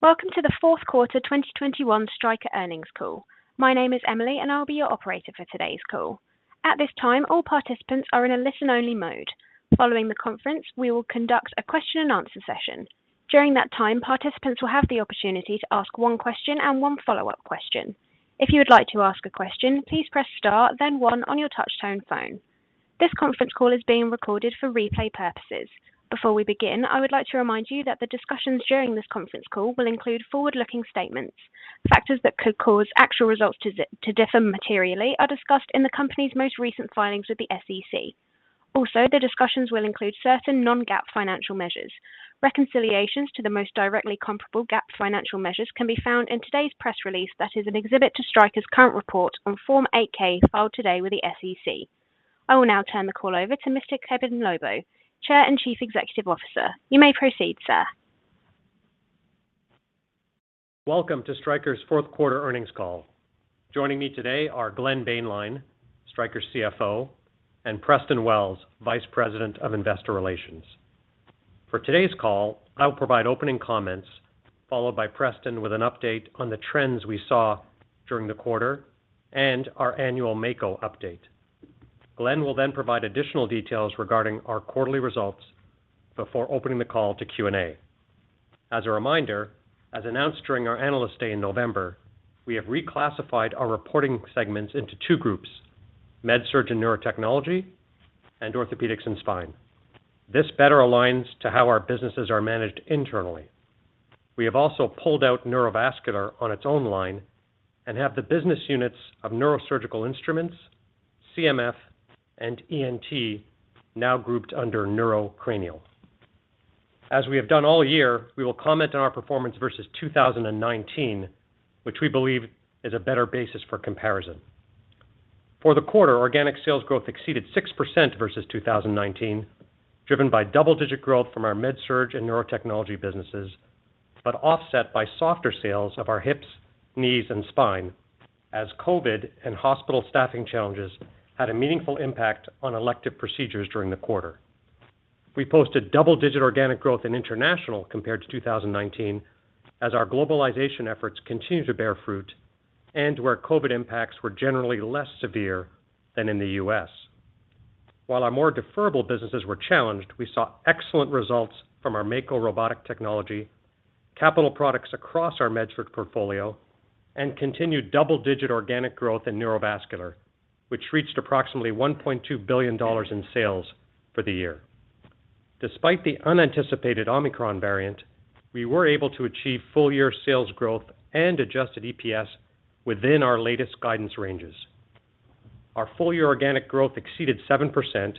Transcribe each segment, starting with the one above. Welcome to the Q4 2021 Stryker earnings call. My name is Emily, and I'll be your operator for today's call. At this time, all participants are in a listen-only mode. Following the conference, we will conduct a question and answer session. During that time, participants will have the opportunity to ask one question and one follow-up question. If you would like to ask a question, please press star then one on your touchtone phone. This conference call is being recorded for replay purposes. Before we begin, I would like to remind you that the discussions during this conference call will include forward-looking statements. Factors that could cause actual results to differ materially are discussed in the company's most recent filings with the SEC. Also, the discussions will include certain non-GAAP financial measures. Reconciliations to the most directly comparable GAAP financial measures can be found in today's press release that is an exhibit to Stryker's current report on Form 8-K filed today with the SEC. I will now turn the call over to Mr. Kevin Lobo, Chair and Chief Executive Officer. You may proceed, sir. Welcome to Stryker's Q4 earnings call. Joining me today are Glenn Boehnlein, Stryker's CFO, and Preston Wells, Vice President of Investor Relations. For today's call, I'll provide opening comments, followed by Preston with an update on the trends we saw during the quarter and our annual Mako update. Glenn will then provide additional details regarding our quarterly results before opening the call to Q&A. As a reminder, as announced during our Analyst Day in November, we have reclassified our reporting segments into two groups, MedSurg and Neurotechnology and Orthopaedics and Spine. This better aligns to how our businesses are managed internally. We have also pulled out Neurovascular on its own line and have the business units of Neurosurgical Instruments, CMF, and ENT now grouped under Neurocranial. As we have done all year, we will comment on our performance versus 2019, which we believe is a better basis for comparison. For the quarter, organic sales growth exceeded 6% versus 2019, driven by double-digit growth from our MedSurg and Neurotechnology businesses, but offset by softer sales of our hips, knees, and spine as COVID and hospital staffing challenges had a meaningful impact on elective procedures during the quarter. We posted double-digit organic growth in international compared to 2019 as our globalization efforts continue to bear fruit and where COVID impacts were generally less severe than in the U.S. While our more deferrable businesses were challenged, we saw excellent results from our Mako robotic technology, capital products across our MedSurg portfolio, and continued double-digit organic growth in Neurovascular, which reached approximately $1.2 billion in sales for the year. Despite the unanticipated Omicron variant, we were able to achieve full-year sales growth and adjusted EPS within our latest guidance ranges. Our full-year organic growth exceeded 7%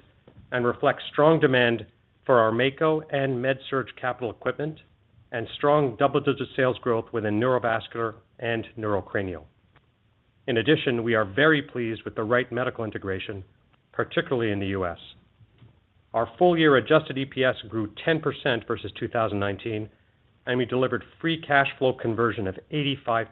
and reflects strong demand for our Mako and MedSurg capital equipment and strong double-digit sales growth within Neurovascular and Neurocranial. In addition, we are very pleased with the Wright Medical integration, particularly in the U.S. Our full-year adjusted EPS grew 10% versus 2019, and we delivered free cash flow conversion of 85%.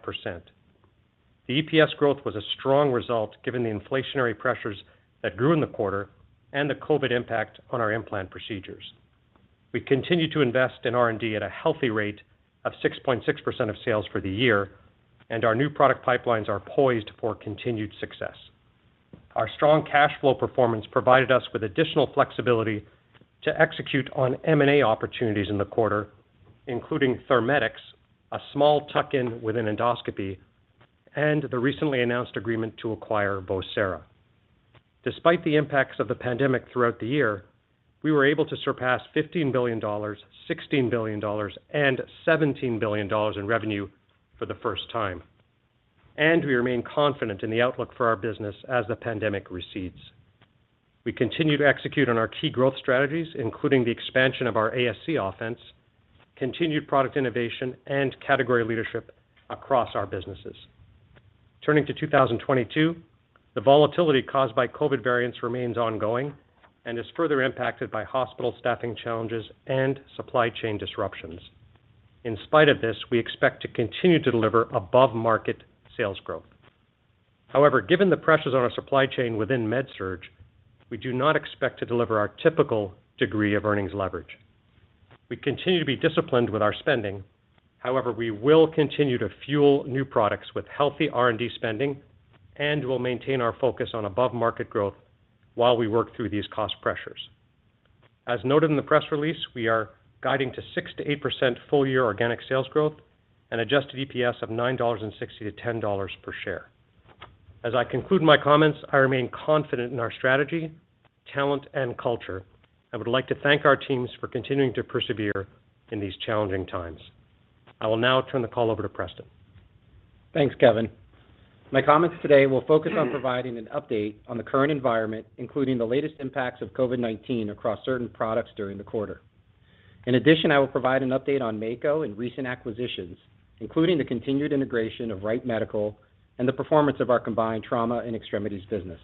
The EPS growth was a strong result given the inflationary pressures that grew in the quarter and the COVID impact on our implant procedures. We continue to invest in R&D at a healthy rate of 6.6% of sales for the year, and our new product pipelines are poised for continued success. Our strong cash flow performance provided us with additional flexibility to execute on M&A opportunities in the quarter, including Thermedx, a small tuck-in within Endoscopy, and the recently announced agreement to acquire Vocera. Despite the impacts of the pandemic throughout the year, we were able to surpass $15 billion, $16 billion, and $17 billion in revenue for the first time, and we remain confident in the outlook for our business as the pandemic recedes. We continue to execute on our key growth strategies, including the expansion of our ASC offense, continued product innovation, and category leadership across our businesses. Turning to 2022, the volatility caused by COVID variants remains ongoing and is further impacted by hospital staffing challenges and supply chain disruptions. In spite of this, we expect to continue to deliver above-market sales growth. However, given the pressures on our supply chain within MedSurg, we do not expect to deliver our typical degree of earnings leverage. We continue to be disciplined with our spending. However, we will continue to fuel new products with healthy R&D spending and will maintain our focus on above-market growth while we work through these cost pressures. As noted in the press release, we are guiding to 6%-8% full-year organic sales growth and adjusted EPS of $9.60-$10 per share. As I conclude my comments, I remain confident in our strategy, talent, and culture. I would like to thank our teams for continuing to persevere in these challenging times. I will now turn the call over to Preston. Thanks, Kevin. My comments today will focus on providing an update on the current environment, including the latest impacts of COVID-19 across certain products during the quarter. In addition, I will provide an update on Mako and recent acquisitions, including the continued integration of Wright Medical and the performance of our combined Trauma and Extremities business.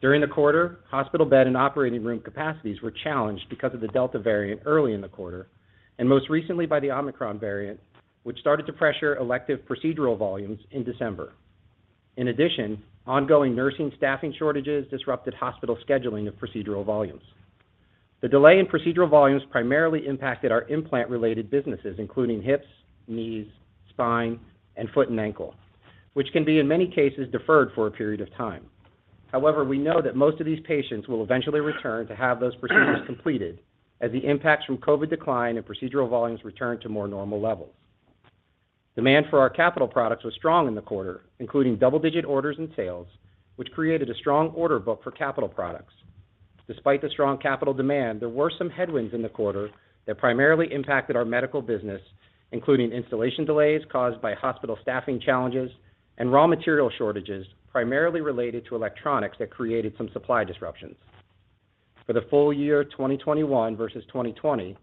During the quarter, hospital bed and operating room capacities were challenged because of the Delta variant early in the quarter and most recently by the Omicron variant, which started to pressure elective procedural volumes in December. In addition, ongoing nursing staffing shortages disrupted hospital scheduling of procedural volumes. The delay in procedural volumes primarily impacted our implant-related businesses, including hips, knees, spine, and foot and ankle, which can be, in many cases, deferred for a period of time. However, we know that most of these patients will eventually return to have those procedures completed as the impacts from COVID decline and procedural volumes return to more normal levels. Demand for our capital products was strong in the quarter, including double-digit orders and sales, which created a strong order book for capital products. Despite the strong capital demand, there were some headwinds in the quarter that primarily impacted our medical business, including installation delays caused by hospital staffing challenges and raw material shortages, primarily related to electronics that created some supply disruptions. For the full year 2021 versus 2020,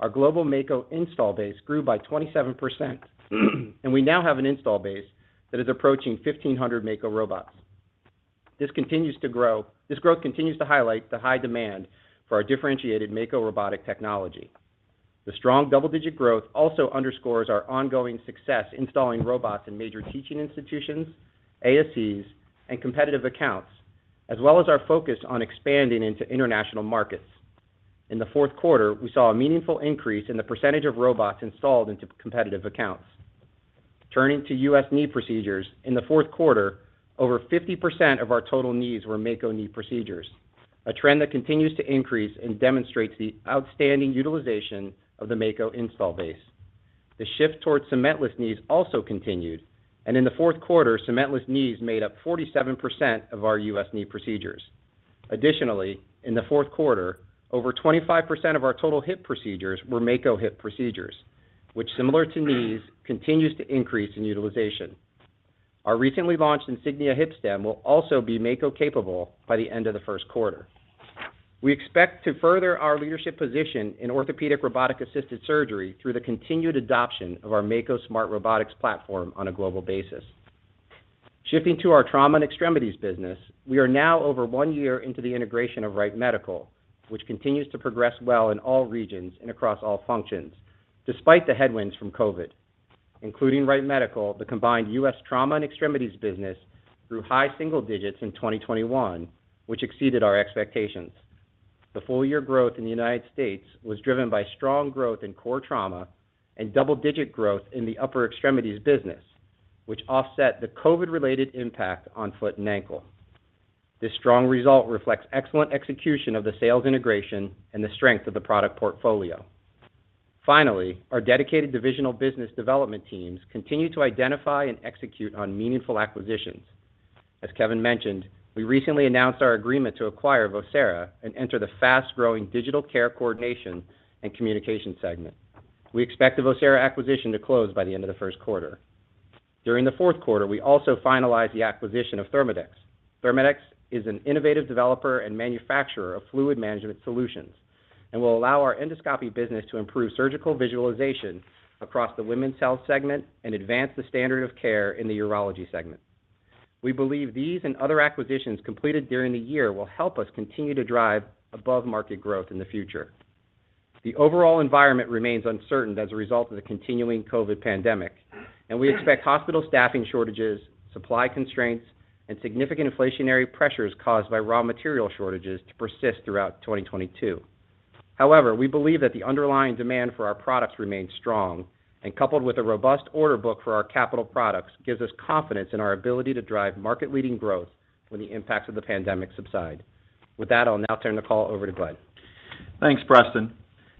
our global Mako install base grew by 27%, and we now have an install base that is approaching 1,500 Mako robots. This growth continues to highlight the high demand for our differentiated Mako robotic technology. The strong double-digit growth also underscores our ongoing success installing robots in major teaching institutions, ASCs, and competitive accounts, as well as our focus on expanding into international markets. In the Q4, we saw a meaningful increase in the percentage of robots installed into competitive accounts. Turning to U.S. knee procedures, in the Q4, over 50% of our total knees were Mako knee procedures, a trend that continues to increase and demonstrates the outstanding utilization of the Mako install base. The shift towards cementless knees also continued, and in the Q4, cementless knees made up 47% of our U.S. knee procedures. Additionally, in the Q4, over 25% of our total hip procedures were Mako hip procedures, which similar to knees, continues to increase in utilization. Our recently launched Insignia hip stem will also be Mako capable by the end of the Q1. We expect to further our leadership position in orthopedic robotic-assisted surgery through the continued adoption of our Mako SmartRobotics platform on a global basis. Shifting to our trauma and extremities business, we are now over one year into the integration of Wright Medical, which continues to progress well in all regions and across all functions despite the headwinds from COVID. Including Wright Medical, the combined U.S. trauma and extremities business grew high single digits in 2021, which exceeded our expectations. The full year growth in the United States was driven by strong growth in core trauma and double-digit growth in the upper extremities business, which offset the COVID-related impact on foot and ankle. This strong result reflects excellent execution of the sales integration and the strength of the product portfolio. Finally, our dedicated divisional business development teams continue to identify and execute on meaningful acquisitions. As Kevin mentioned, we recently announced our agreement to acquire Vocera and enter the fast-growing digital care coordination and communication segment. We expect the Vocera acquisition to close by the end of the Q1. During the Q4, we also finalized the acquisition of Thermedx. Thermedx is an innovative developer and manufacturer of fluid management solutions and will allow our endoscopy business to improve surgical visualization across the women's health segment and advance the standard of care in the urology segment. We believe these and other acquisitions completed during the year will help us continue to drive above-market growth in the future. The overall environment remains uncertain as a result of the continuing COVID pandemic, and we expect hospital staffing shortages, supply constraints, and significant inflationary pressures caused by raw material shortages to persist throughout 2022. However, we believe that the underlying demand for our products remains strong and, coupled with a robust order book for our capital products, gives us confidence in our ability to drive market-leading growth when the impacts of the pandemic subside. With that, I'll now turn the call over to Glenn. Thanks, Preston.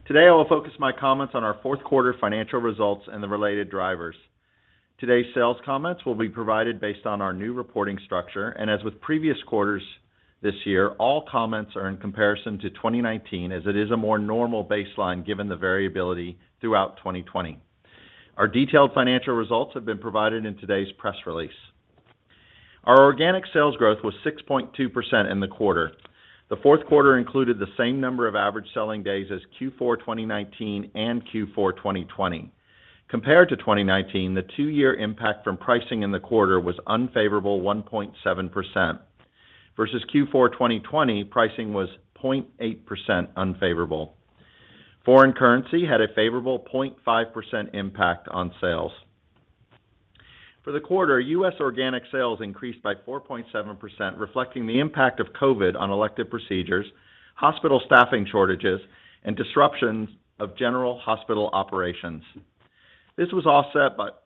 Today, I will focus my comments on our Q4 financial results and the related drivers. Today's sales comments will be provided based on our new reporting structure, and as with previous quarters this year, all comments are in comparison to 2019 as it is a more normal baseline given the variability throughout 2020. Our detailed financial results have been provided in today's press release. Our organic sales growth was 6.2% in the quarter. The Q4 included the same number of average selling days as Q4 2019 and Q4 2020. Compared to 2019, the two-year impact from pricing in the quarter was unfavorable 1.7%. Versus Q4 2020, pricing was 0.8% unfavorable. Foreign currency had a favorable 0.5% impact on sales. For the quarter, U.S. organic sales increased by 4.7%, reflecting the impact of COVID on elective procedures, hospital staffing shortages, and disruptions of general hospital operations. This was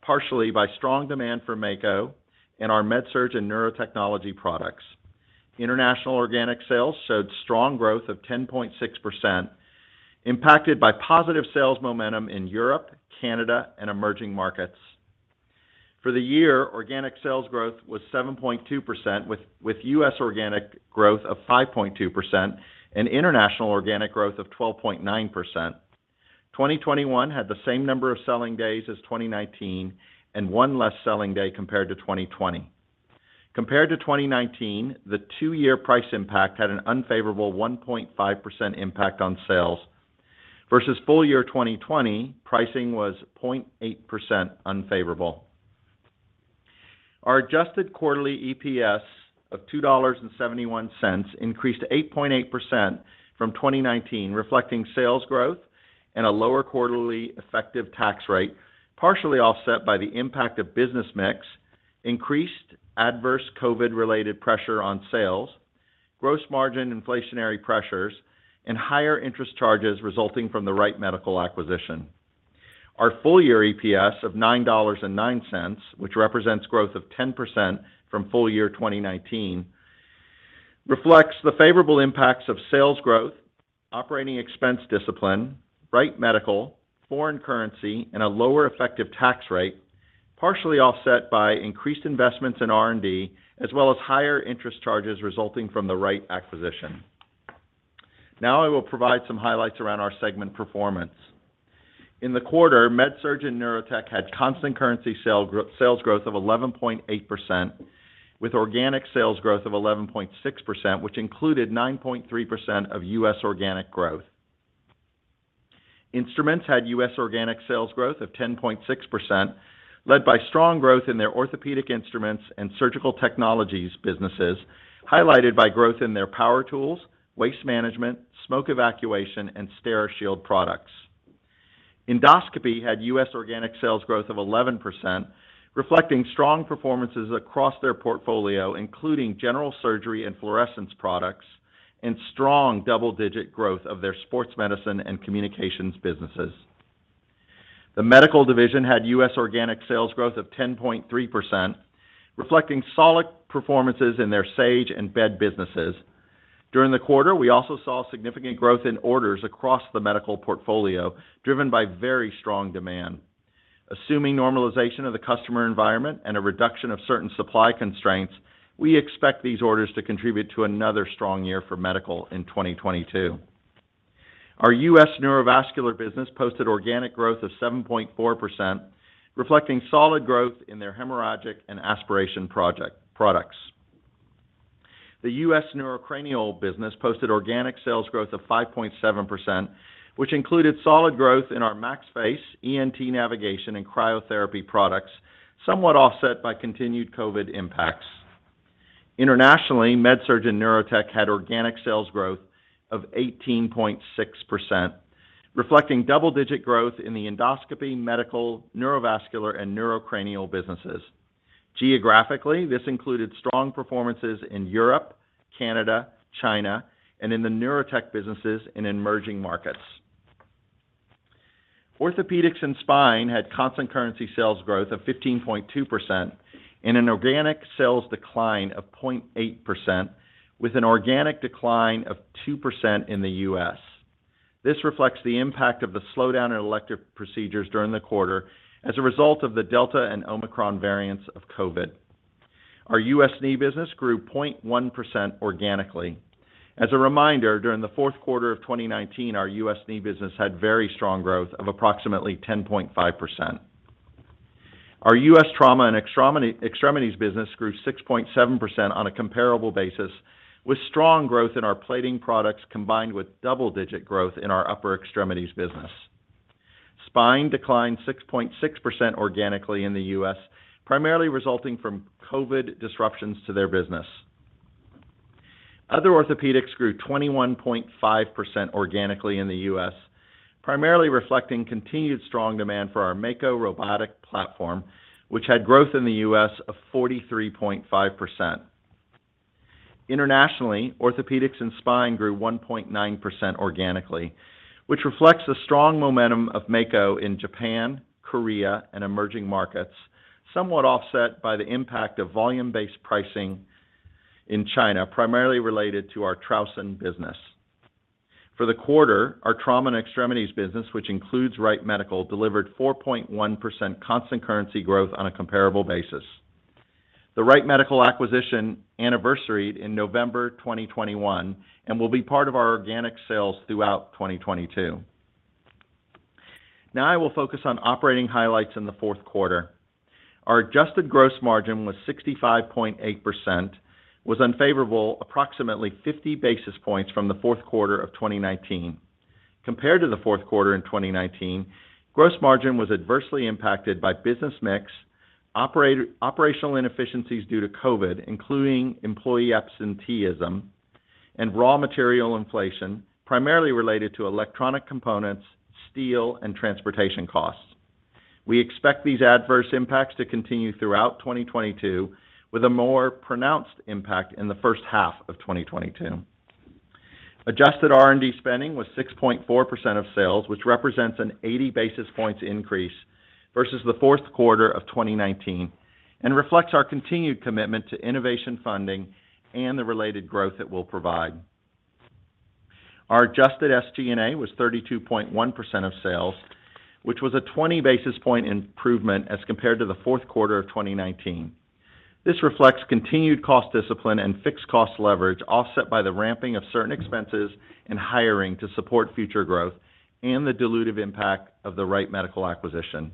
partially offset by strong demand for Mako and our MedSurg and Neurotechnology products. International organic sales showed strong growth of 10.6%, impacted by positive sales momentum in Europe, Canada, and emerging markets. For the year, organic sales growth was 7.2%, with U.S. organic growth of 5.2% and international organic growth of 12.9%. 2021 had the same number of selling days as 2019 and one less selling day compared to 2020. Compared to 2019, the two-year price impact had an unfavorable 1.5% impact on sales. Versus full year 2020, pricing was 0.8% unfavorable. Our adjusted quarterly EPS of $2.71 increased 8.8% from 2019, reflecting sales growth and a lower quarterly effective tax rate, partially offset by the impact of business mix. Increased adverse COVID-related pressure on sales, gross margin inflationary pressures, and higher interest charges resulting from the Wright Medical acquisition. Our full year EPS of $9.09, which represents growth of 10% from full year 2019, reflects the favorable impacts of sales growth, operating expense discipline, Wright Medical, foreign currency, and a lower effective tax rate, partially offset by increased investments in R&D, as well as higher interest charges resulting from the Wright acquisition. Now I will provide some highlights around our segment performance. In the quarter, MedSurg and Neurotechnology had constant currency sales growth of 11.8%, with organic sales growth of 11.6%, which included 9.3% of U.S. organic growth. Instruments had U.S. organic sales growth of 10.6%, led by strong growth in their orthopedic instruments and surgical technologies businesses, highlighted by growth in their power tools, waste management, smoke evacuation, and Steri-Shield products. Endoscopy had U.S. organic sales growth of 11%, reflecting strong performances across their portfolio, including general surgery and fluorescence products, and strong double-digit growth of their sports medicine and communications businesses. The medical division had U.S. organic sales growth of 10.3%, reflecting solid performances in their Sage and bed businesses. During the quarter, we also saw significant growth in orders across the medical portfolio, driven by very strong demand. Assuming normalization of the customer environment and a reduction of certain supply constraints, we expect these orders to contribute to another strong year for medical in 2022. Our U.S. Neurovascular business posted organic growth of 7.4%, reflecting solid growth in their hemorrhagic and aspiration products. The U.S. Neurocranial business posted organic sales growth of 5.7%, which included solid growth in our MaxFace, ENT navigation, and cryotherapy products, somewhat offset by continued COVID impacts. Internationally, MedSurg and Neurotechnology had organic sales growth of 18.6%, reflecting double-digit growth in the endoscopy, medical, Neurovascular, and Neurocranial businesses. Geographically, this included strong performances in Europe, Canada, China, and in the Neurotechnology businesses in emerging markets. Orthopaedics and Spine had constant currency sales growth of 15.2% and an organic sales decline of 0.8% with an organic decline of 2% in the U.S. This reflects the impact of the slowdown in elective procedures during the quarter as a result of the Delta and Omicron variants of COVID. Our U.S. knee business grew 0.1% organically. As a reminder, during the Q4 of 2019, our U.S. knee business had very strong growth of approximately 10.5%. Our U.S. trauma and extremities business grew 6.7% on a comparable basis, with strong growth in our plating products combined with double-digit growth in our upper extremities business. Spine declined 6.6% organically in the U.S., primarily resulting from COVID disruptions to their business. Other Orthopaedics grew 21.5% organically in the U.S., primarily reflecting continued strong demand for our Mako robotic platform, which had growth in the U.S. of 43.5%. Internationally, Orthopaedics and Spine grew 1.9% organically, which reflects the strong momentum of Mako in Japan, Korea, and emerging markets, somewhat offset by the impact of volume-based pricing in China, primarily related to our Trauson business. For the quarter, our trauma and extremities business, which includes Wright Medical, delivered 4.1% constant currency growth on a comparable basis. The Wright Medical acquisition anniversaried in November 2021 and will be part of our organic sales throughout 2022. Now I will focus on operating highlights in the Q4. Our adjusted gross margin was 65.8%, unfavorable approximately 50 basis points from the Q4 of 2019. Compared to the Q4 of 2019, gross margin was adversely impacted by business mix, operational inefficiencies due to COVID, including employee absenteeism and raw material inflation, primarily related to electronic components, steel, and transportation costs. We expect these adverse impacts to continue throughout 2022 with a more pronounced impact in the first half of 2022. Adjusted R&D spending was 6.4% of sales, which represents an 80 basis points increase versus the Q4 of 2019 and reflects our continued commitment to innovation funding and the related growth it will provide. Our adjusted SG&A was 32.1% of sales, which was a 20 basis point improvement as compared to the Q4 of 2019. This reflects continued cost discipline and fixed cost leverage offset by the ramping of certain expenses and hiring to support future growth and the dilutive impact of the Wright Medical acquisition.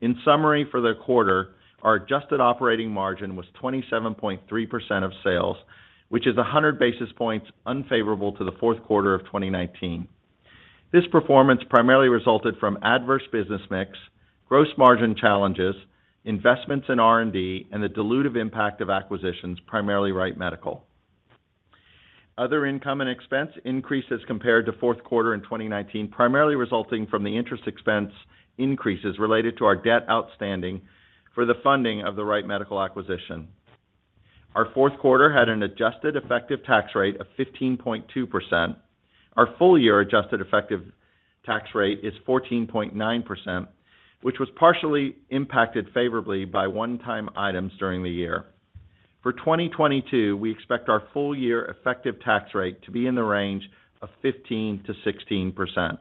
In summary, for the quarter, our adjusted operating margin was 27.3% of sales, which is 100 basis points unfavorable to the Q4 of 2019. This performance primarily resulted from adverse business mix, gross margin challenges, investments in R&D, and the dilutive impact of acquisitions, primarily Wright Medical. Other income and expense increases compared to Q4 in 2019, primarily resulting from the interest expense increases related to our debt outstanding for the funding of the Wright Medical acquisition. Our Q4 had an adjusted effective tax rate of 15.2%. Our full-year adjusted effective tax rate is 14.9%, which was partially impacted favorably by one-time items during the year. For 2022, we expect our full-year effective tax rate to be in the range of 15%-16%.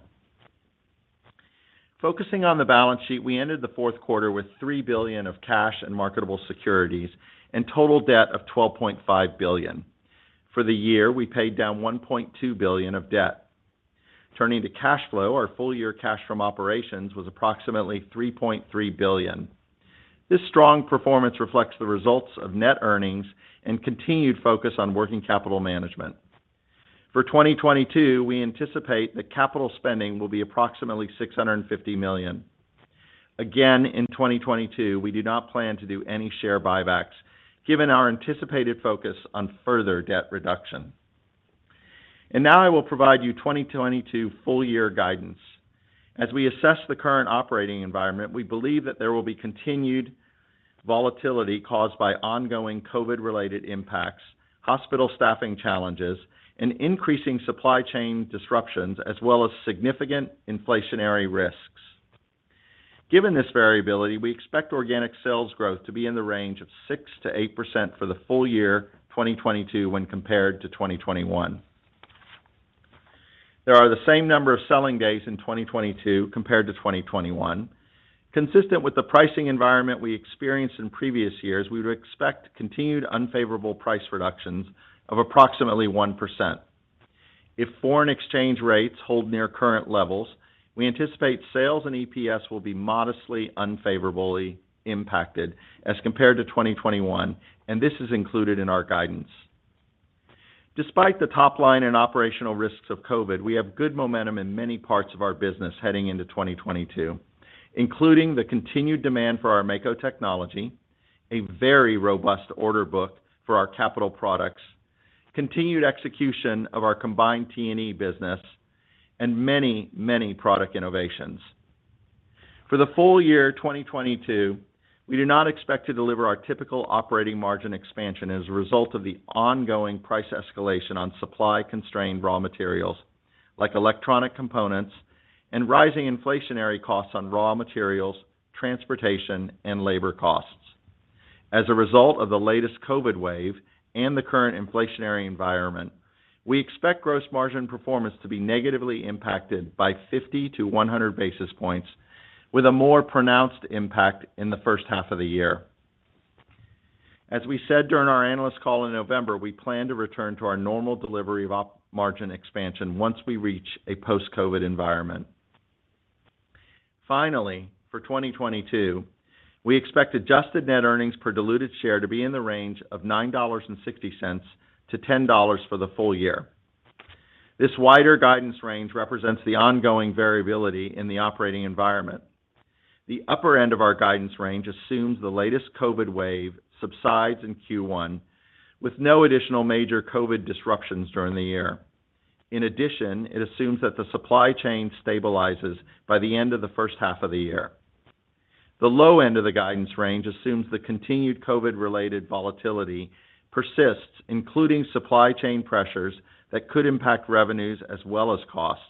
Focusing on the balance sheet, we ended the Q4 with $3 billion of cash and marketable securities and total debt of $12.5 billion. For the year, we paid down $1.2 billion of debt. Turning to cash flow, our full-year cash from operations was approximately $3.3 billion. This strong performance reflects the results of net earnings and continued focus on working capital management. For 2022, we anticipate that capital spending will be approximately $650 million. Again, in 2022, we do not plan to do any share buybacks given our anticipated focus on further debt reduction. Now I will provide you 2022 full year guidance. As we assess the current operating environment, we believe that there will be continued volatility caused by ongoing COVID-related impacts, hospital staffing challenges, and increasing supply chain disruptions, as well as significant inflationary risks. Given this variability, we expect organic sales growth to be in the range of 6%-8% for the full year 2022 when compared to 2021. There are the same number of selling days in 2022 compared to 2021. Consistent with the pricing environment we experienced in previous years, we would expect continued unfavorable price reductions of approximately 1%. If foreign exchange rates hold near current levels, we anticipate sales and EPS will be modestly unfavorably impacted as compared to 2021, and this is included in our guidance. Despite the top line and operational risks of COVID, we have good momentum in many parts of our business heading into 2022, including the continued demand for our Mako technology, a very robust order book for our capital products, continued execution of our combined T&E business, and many, many product innovations. For the full year 2022, we do not expect to deliver our typical operating margin expansion as a result of the ongoing price escalation on supply-constrained raw materials like electronic components and rising inflationary costs on raw materials, transportation, and labor costs. As a result of the latest COVID wave and the current inflationary environment, we expect gross margin performance to be negatively impacted by 50-100 basis points, with a more pronounced impact in the first half of the year. As we said during our analyst call in November, we plan to return to our normal delivery of op margin expansion once we reach a post-COVID environment. Finally, for 2022, we expect adjusted net earnings per diluted share to be in the range of $9.60-$10 for the full year. This wider guidance range represents the ongoing variability in the operating environment. The upper end of our guidance range assumes the latest COVID wave subsides in Q1, with no additional major COVID disruptions during the year. In addition, it assumes that the supply chain stabilizes by the end of the first half of the year. The low end of the guidance range assumes the continued COVID-related volatility persists, including supply chain pressures that could impact revenues as well as costs,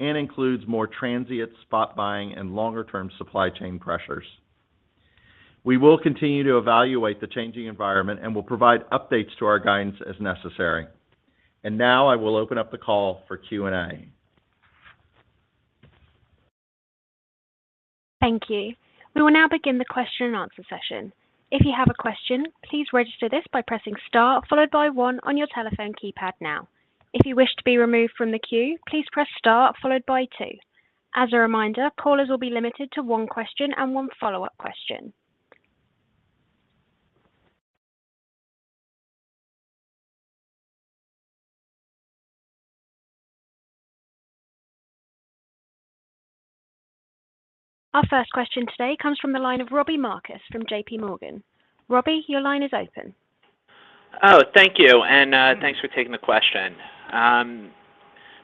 and includes more transient spot buying and longer-term supply chain pressures. We will continue to evaluate the changing environment and will provide updates to our guidance as necessary. Now I will open up the call for Q&A. Thank you. We will now begin the question and answer session. If you have a question, please register this by pressing star followed by one on your telephone keypad now. If you wish to be removed from the queue, please press star followed by two. As a reminder, callers will be limited to one question and one follow-up question. Our first question today comes from the line of Robbie Marcus from J.P. Morgan. Robbie, your line is open. Oh, thank you, and thanks for taking the question.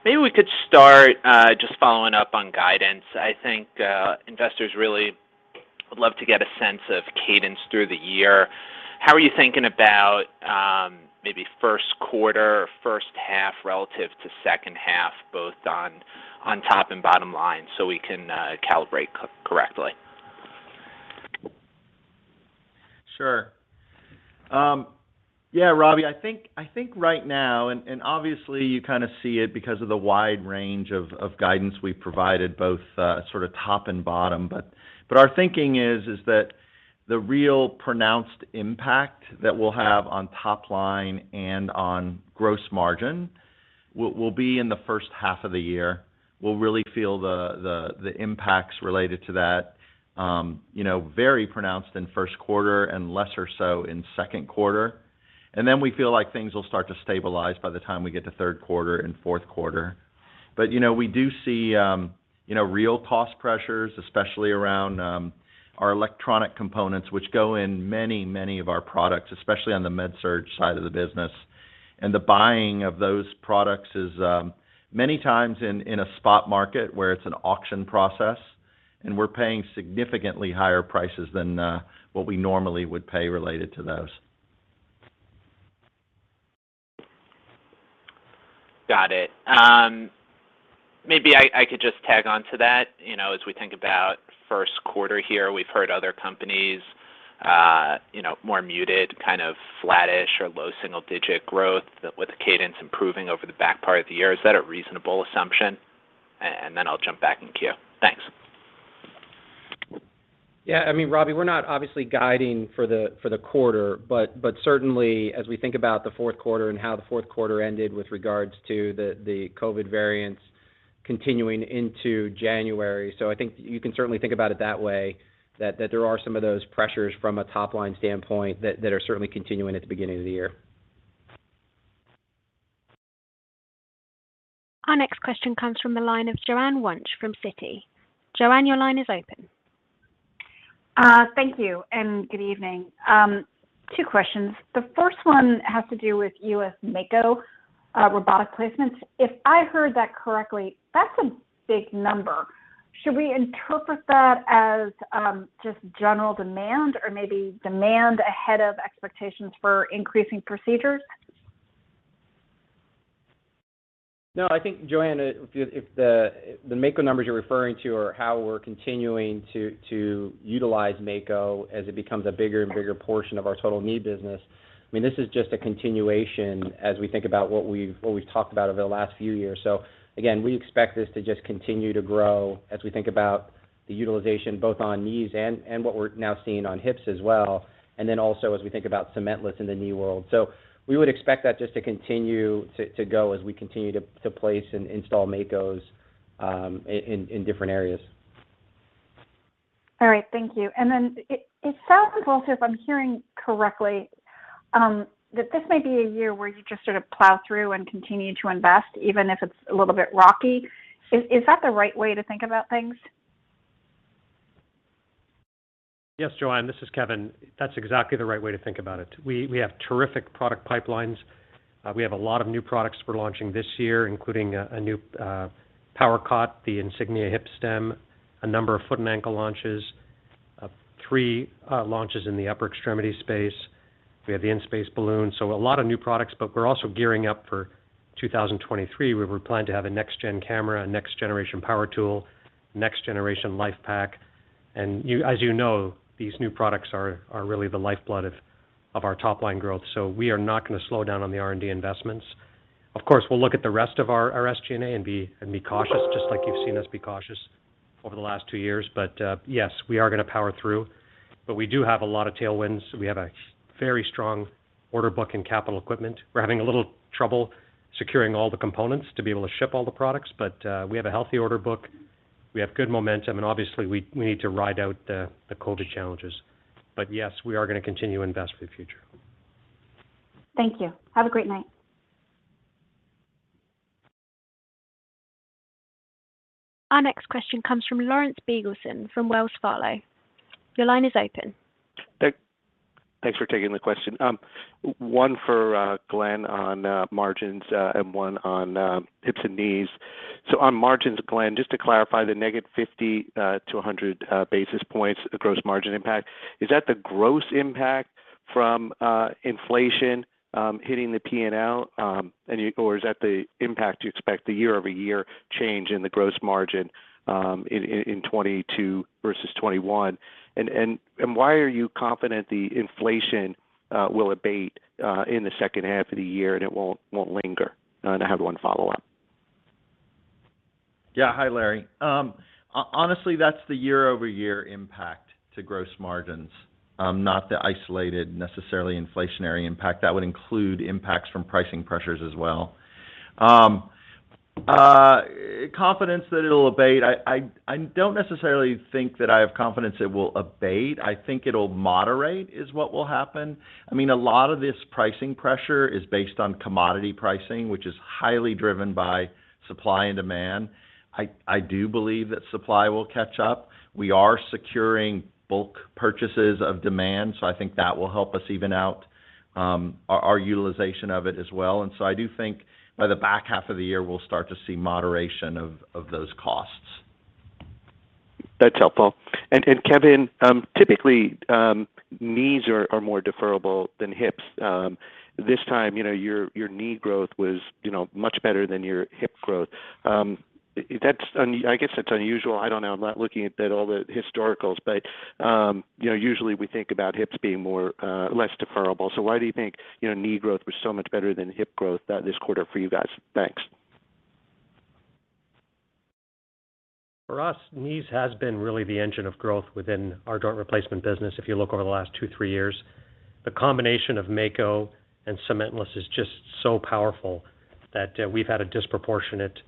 Maybe we could start, just following up on guidance. I think investors really would love to get a sense of cadence through the year. How are you thinking about, maybe Q1, first half relative to second half, both on top and bottom line so we can calibrate correctly? Sure. Yeah, Robbie. I think right now, and obviously you kind of see it because of the wide range of guidance we provided both sort of top and bottom. Our thinking is that the real pronounced impact that we'll have on top line and on gross margin will be in the first half of the year. We'll really feel the impacts related to that very pronounced in Q1 and lesser so in Q2. Then we feel like things will start to stabilize by the time we get to Q3 and Q4. We do see real cost pressures, especially around our electronic components, which go in many of our products, especially on the MedSurg side of the business. The buying of those products is many times in a spot market where it's an auction process, and we're paying significantly higher prices than what we normally would pay related to those. Got it. Maybe I could just tag on to that. As we think about Q1 here, we've heard other companies more muted, kind of flattish or low single-digit growth with cadence improving over the back part of the year. Is that a reasonable assumption? I'll jump back in queue. Thanks. Yeah, I mean, Robbie, we're not obviously guiding for the quarter, but certainly as we think about the Q4 and how the Q4 ended with regards to the COVID variants continuing into January. I think you can certainly think about it that way, that there are some of those pressures from a top-line standpoint that are certainly continuing at the beginning of the year. Our next question comes from the line of Joanne Wuensch from Citi. Joanne, your line is open. Thank you and good evening. 2 questions. The first one has to do with U.S. Mako robotic placements. If I heard that correctly, that's a big number. Should we interpret that as just general demand or maybe demand ahead of expectations for increasing procedures? No, I think, Joanne, if the Mako numbers you're referring to are how we're continuing to utilize Mako as it becomes a bigger and bigger portion of our total knee business. I mean, this is just a continuation as we think about what we've talked about over the last few years. We expect this to just continue to grow as we think about the utilization both on knees and what we're now seeing on hips as well, and then also as we think about cementless in the knee world. We would expect that just to continue to go as we continue to place and install Makos in different areas. All right. Thank you. It sounds as though, if I'm hearing correctly, that this may be a year where you just sort of plow through and continue to invest, even if it's a little bit rocky. Is that the right way to think about things? Yes, Joanne, this is Kevin. That's exactly the right way to think about it. We have terrific product pipelines. We have a lot of new products we're launching this year, including a new power cot, the Insignia hip stem, a number of foot and ankle launches, 3 launches in the upper extremity space. We have the InSpace balloon. A lot of new products, but we're also gearing up for 2023. We plan to have a next gen camera, a next generation power tool, next generation LIFEPAK. You, as these new products are really the lifeblood of our top line growth. We are not going to slow down on the R&D investments. Of course, we'll look at the rest of our SG&A and be cautious, just like you've seen us be cautious over the last two years. Yes, we are going to power through. We do have a lot of tailwinds. We have a very strong order book in capital equipment. We're having a little trouble securing all the components to be able to ship all the products, but we have a healthy order book. We have good momentum, and obviously, we need to ride out the COVID challenges. Yes, we are going to continue to invest for the future. Thank you. Have a great night. Our next question comes from Lawrence Biegelsen from Wells Fargo. Your line is open. Thanks for taking the question. One for Glenn on margins, and one on hips and knees. On margins, Glenn, just to clarify the -50 to 100 basis points, the gross margin impact, is that the gross impact from inflation hitting the P&L, or is that the impact you expect the year-over-year change in the gross margin, in 2022 versus 2021? And why are you confident the inflation will abate in the second half of the year and it won't linger? And I have one follow-up. Yeah. Hi, Lawrence. Honestly, that's the year-over-year impact to gross margins, not the isolated necessarily inflationary impact. That would include impacts from pricing pressures as well. Confidence that it'll abate. I don't necessarily think that I have confidence it will abate. I think it'll moderate is what will happen. I mean, a lot of this pricing pressure is based on commodity pricing, which is highly driven by supply and demand. I do believe that supply will catch up. We are securing bulk purchases of demand, so I think that will help us even out our utilization of it as well. I do think by the back half of the year, we'll start to see moderation of those costs. That's helpful. Kevin, typically, knees are more deferrable than hips. This time your knee growth was much better than your hip growth. That's unusual, I guess. I don't know. I'm not looking at all the historicals, but usually we think about hips being less deferrable. Why do you think knee growth was so much better than hip growth this quarter for you guys? Thanks. For us, knees has been really the engine of growth within our joint replacement business if you look over the last 2-3 years. The combination of Mako and cementless is just so powerful that we've had a disproportionate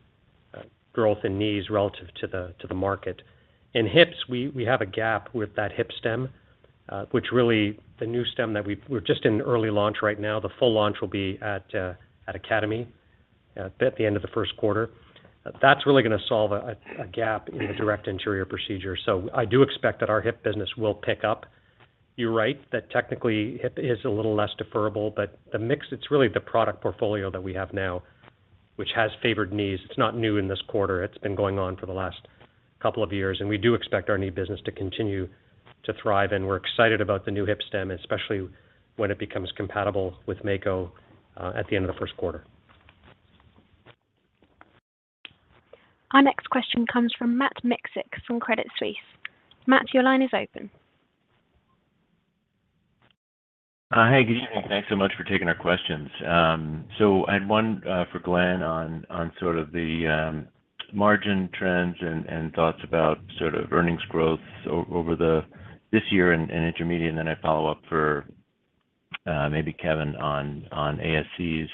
growth in knees relative to the market. In hips, we have a gap with that hip stem, which really the new stem that we're just in early launch right now, the full launch will be at AAOS at the end of the Q1. That's really going to solve a gap in the direct anterior procedure. I do expect that our hip business will pick up. You're right, that technically hip is a little less deferrable, but the mix, it's really the product portfolio that we have now, which has favored knees. It's not new in this quarter. It's been going on for the last couple of years, and we do expect our knee business to continue to thrive. We're excited about the new hip stem, especially when it becomes compatible with Mako at the end of the Q1. Our next question comes from Matt Miksic from Credit Suisse. Matt, your line is open. Hi, good evening. Thanks so much for taking our questions. I had one for Glenn on sort of the margin trends and thoughts about sort of earnings growth over this year and intermediate. I follow up for maybe Kevin on ASCs.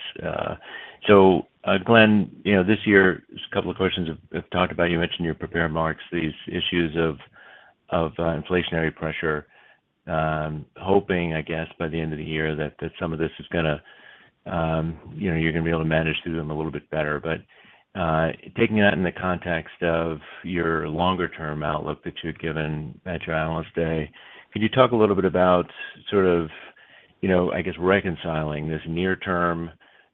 glenn this year, just a couple of questions I've talked about. You mentioned in your prepared remarks these issues of inflationary pressure, hoping, I guess, by the end of the year that some of this is going to you're going to be able to manage through them a little bit better. Taking that in the context of your longer term outlook that you had given at your Analyst Day, could you talk a little bit about sort of I guess, reconciling this near-term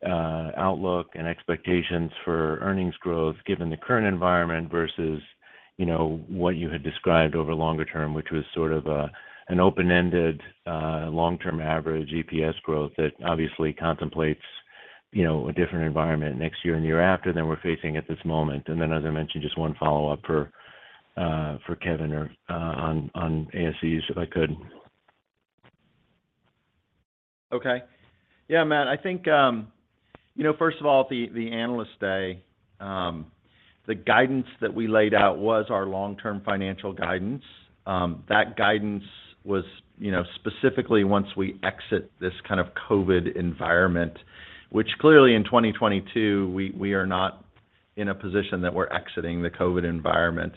outlook and expectations for earnings growth, given the current environment versus what you had described over longer term, which was sort of a, an open-ended long-term average EPS growth that obviously contemplates a different environment next year and the year after than we're facing at this moment. As I mentioned, just one follow-up for Kevin or on ASCs, if I could. Okay. Yeah, Matt, I think first of all, at the Analyst Day, the guidance that we laid out was our long-term financial guidance. That guidance was specifically once we exit this kind of COVID environment, which clearly in 2022, we are not in a position that we're exiting the COVID environment.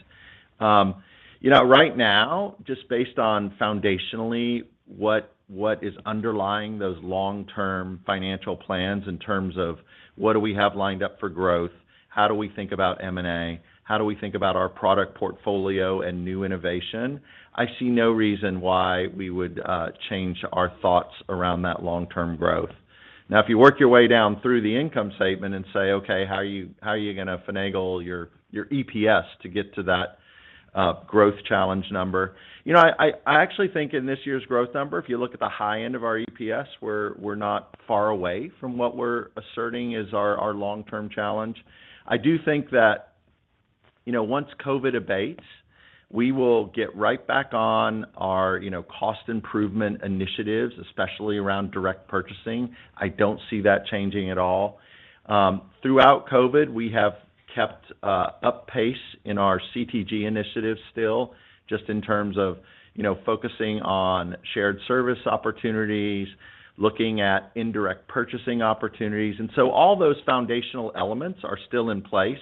Right now, just based on foundationally what is underlying those long-term financial plans in terms of what do we have lined up for growth, how do we think about M&A, how do we think about our product portfolio and new innovation, I see no reason why we would change our thoughts around that long-term growth. Now, if you work your way down through the income statement and say, "Okay, how are you going to finagle your EPS to get to that, growth challenge number?" I actually think in this year's growth number, if you look at the high end of our EPS, we're not far away from what we're asserting is our long-term challenge. I do think that once COVID abates, we will get right back on our cost improvement initiatives, especially around direct purchasing. I don't see that changing at all. Throughout COVID, we have kept a pace in our CTG initiatives still, just in terms of focusing on shared service opportunities, looking at indirect purchasing opportunities. All those foundational elements are still in place.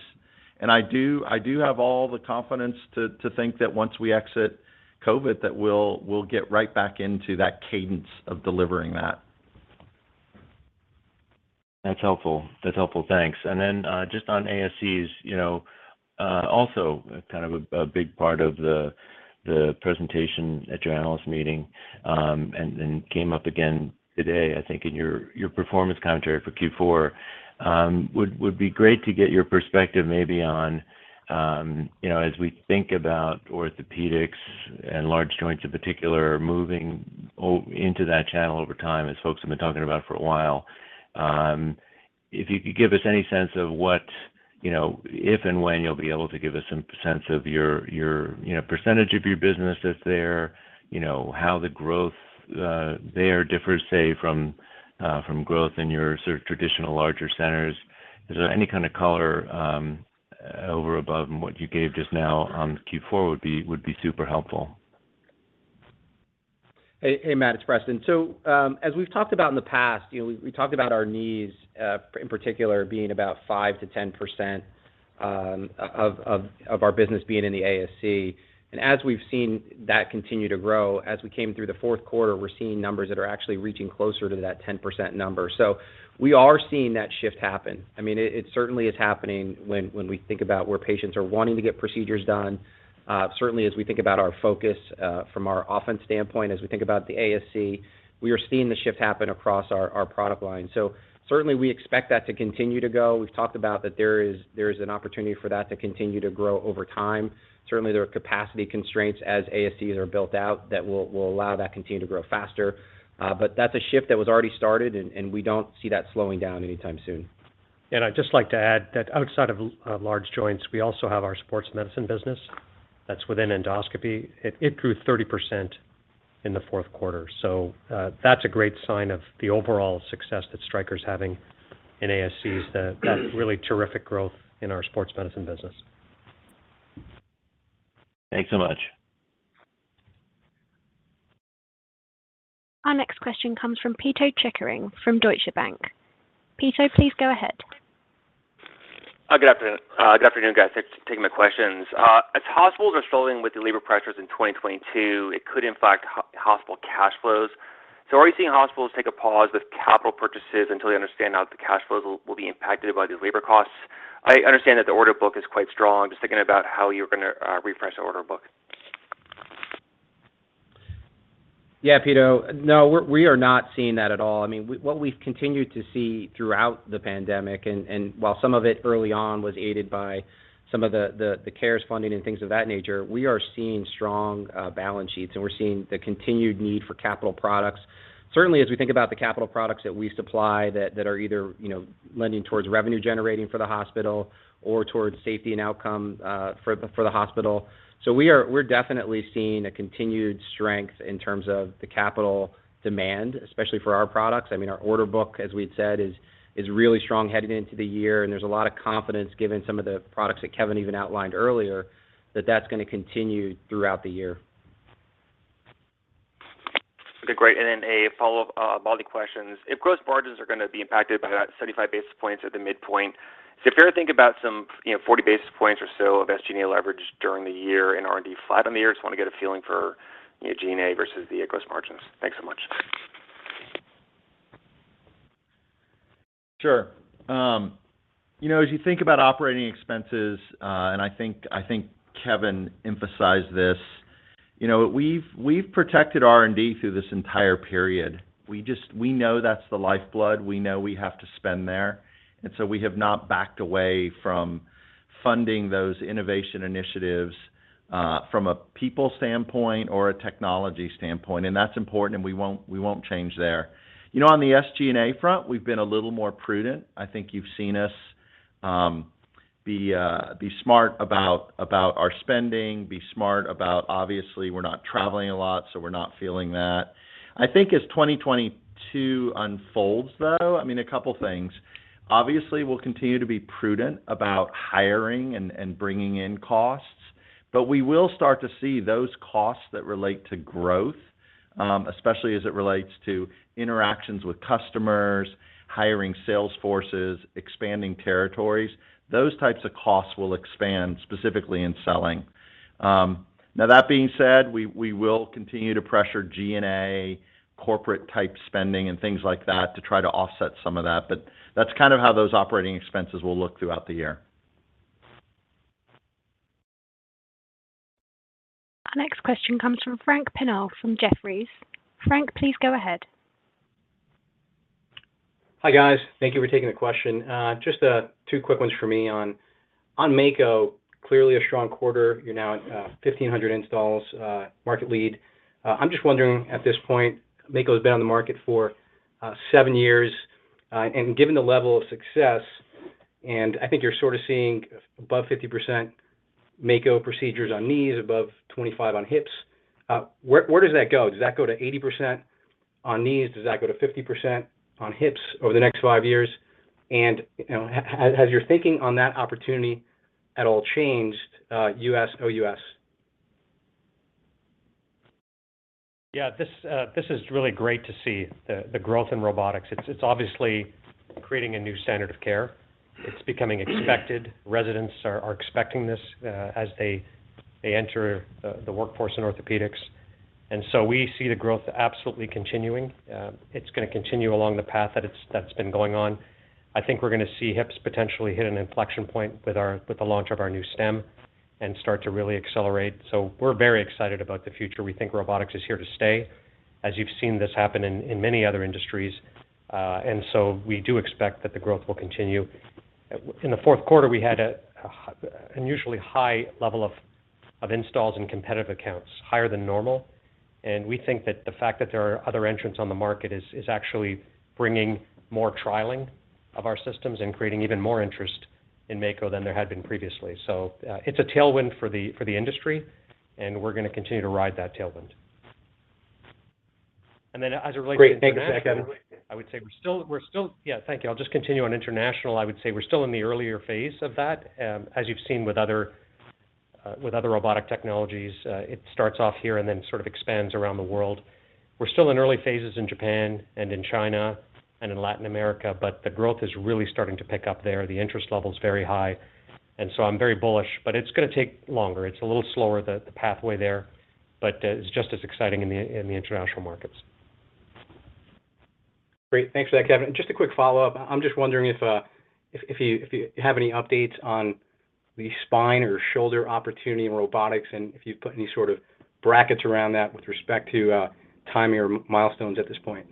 I do have all the confidence to think that once we exit COVID, that we'll get right back into that cadence of delivering that. That's helpful. Thanks. Just on ascs also kind of a big part of the presentation at your analyst meeting, and then came up again today, I think, in your performance commentary for Q4. Would be great to get your perspective maybe on as we think about orthopaedics and large joints in particular, moving into that channel over time, as folks have been talking about for a while. If you could give us any sense of what if and when you'll be able to give us some sense of your percentage of your business that's there. How the growth there differs, say, from growth in your sort of traditional larger centers. Is there any kind of color, over and above from what you gave just now on Q4 would be super helpful? Hey, Matt, it's Preston. As we've talked about in the past we talked about our knees in particular being about 5%-10% of our business being in the ASC. We've seen that continue to grow, as we came through the Q4, we're seeing numbers that are actually reaching closer to that 10% number. We are seeing that shift happen. I mean, it certainly is happening when we think about where patients are wanting to get procedures done. Certainly as we think about our focus from our offense standpoint, as we think about the ASC, we are seeing the shift happen across our product line. Certainly we expect that to continue to go. We've talked about that there is an opportunity for that to continue to grow over time. Certainly, there are capacity constraints as ASCs are built out that will allow that to continue to grow faster. That's a shift that was already started, and we don't see that slowing down anytime soon. I'd just like to add that outside of large joints, we also have our sports medicine business that's within endoscopy. It grew 30% in the Q4. That's a great sign of the overall success that Stryker's having in ASCs. That's really terrific growth in our sports medicine business. Thanks so much. Our next question comes from Pito Chickering from Deutsche Bank. Peter, please go ahead. Good afternoon. Good afternoon, guys. Thanks for taking my questions. As hospitals are struggling with the labor pressures in 2022, it could impact hospital cash flows. Are we seeing hospitals take a pause with capital purchases until they understand how the cash flows will be impacted by these labor costs? I understand that the order book is quite strong. I'm just thinking about how you're going to refresh the order book. Yeah, Peter. No, we are not seeing that at all. I mean, what we've continued to see throughout the pandemic and while some of it early on was aided by some of the CARES funding and things of that nature, we are seeing strong balance sheets, and we're seeing the continued need for capital products. Certainly, as we think about the capital products that we supply that are either lending towards revenue generating for the hospital or towards safety and outcome for the hospital. So we are definitely seeing a continued strength in terms of the capital demand, especially for our products. I mean, our order book, as we'd said, is really strong headed into the year, and there's a lot of confidence given some of the products that Kevin even outlined earlier, that that's going to continue throughout the year. Okay, great. A follow-up of all the questions. If gross margins are going to be impacted by about 75 basis points at the midpoint, is it fair to think about some 40 basis points or so of SG&A leverage during the year in R&D flat on the year? Just want to get a feeling for G&A versus the gross margins. Thanks so much. Sure. As you think about operating expenses, I think Kevin emphasized this. We've protected R&D through this entire period. We just know that's the lifeblood. We know we have to spend there. We have not backed away from funding those innovation initiatives, from a people standpoint or a technology standpoint. That's important, and we won't change there. On the SG&A front, we've been a little more prudent. I think you've seen us be smart about our spending, obviously, we're not traveling a lot, so we're not feeling that. I think as 2022 unfolds, though, I mean, a couple things. Obviously, we'll continue to be prudent about hiring and bringing in costs. We will start to see those costs that relate to growth, especially as it relates to interactions with customers, hiring sales forces, expanding territories. Those types of costs will expand, specifically in selling. Now that being said, we will continue to pressure G&A, corporate type spending and things like that to try to offset some of that. That's kind of how those operating expenses will look throughout the year. Our next question comes from Frank Takkinen from Lake Street Capital Markets. Frank, please go ahead. Hi, guys. Thank you for taking the question. Just two quick ones for me on Mako. Clearly a strong quarter. You're now at 1,500 installs, market leader. I'm just wondering at this point, Mako has been on the market for seven years. Given the level of success, I think you're sort of seeing above 50% Mako procedures on knees, above 25% on hips, where does that go? Does that go to 80% on knees? Does that go to 50% on hips over the next five years? Has your thinking on that opportunity at all changed, U.S., OUS? Yeah, this is really great to see the growth in robotics. It's obviously creating a new standard of care. It's becoming expected. Residents are expecting this as they enter the workforce in orthopedics. We see the growth absolutely continuing. It's going to continue along the path that it's been going on. I think we're going to see hips potentially hit an inflection point with the launch of our new stem and start to really accelerate. We're very excited about the future. We think robotics is here to stay, as you've seen this happen in many other industries. We do expect that the growth will continue. In the Q4, we had an unusually high level of installs and competitive accounts, higher than normal. We think that the fact that there are other entrants on the market is actually bringing more trialing of our systems and creating even more interest in Mako than there had been previously. It's a tailwind for the industry, and we're going to continue to ride that tailwind. as it relates to international. Great. Thank you, Kevin. Yeah. Thank you. I'll just continue on international. I would say we're still in the earlier phase of that. As you've seen with other robotic technologies, it starts off here and then sort of expands around the world. We're still in early phases in Japan and in China and in Latin America, but the growth is really starting to pick up there. The interest level is very high. I'm very bullish, but it's going to take longer. It's a little slower, the pathway there, but it's just as exciting in the international markets. Great. Thanks for that, Kevin. Just a quick follow-up. I'm just wondering if you have any updates on the spine or shoulder opportunity in robotics, and if you've put any sort of brackets around that with respect to timing or milestones at this point.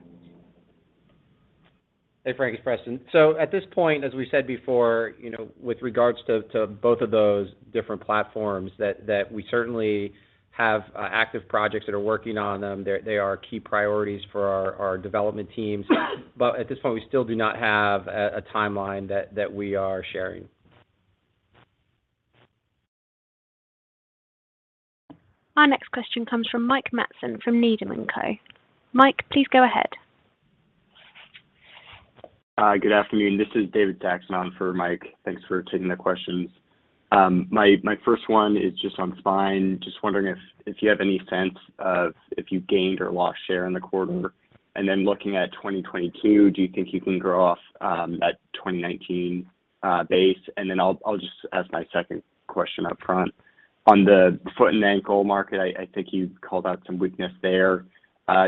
Hey, Frank, it's Preston. At this point, as we said before with regards to both of those different platforms that we certainly have active projects that are working on them. They are key priorities for our development teams. At this point, we still do not have a timeline that we are sharing. Our next question comes from Mike Matson from Needham & Company. Mike, please go ahead. Hi. Good afternoon. This is David Saxon for Mike. Thanks for taking the questions. My first one is just on spine. Just wondering if you have any sense of if you gained or lost share in the quarter. Then looking at 2022, do you think you can grow off that 2019 base? Then I'll just ask my second question up front. On the foot and ankle market, I think you called out some weakness there.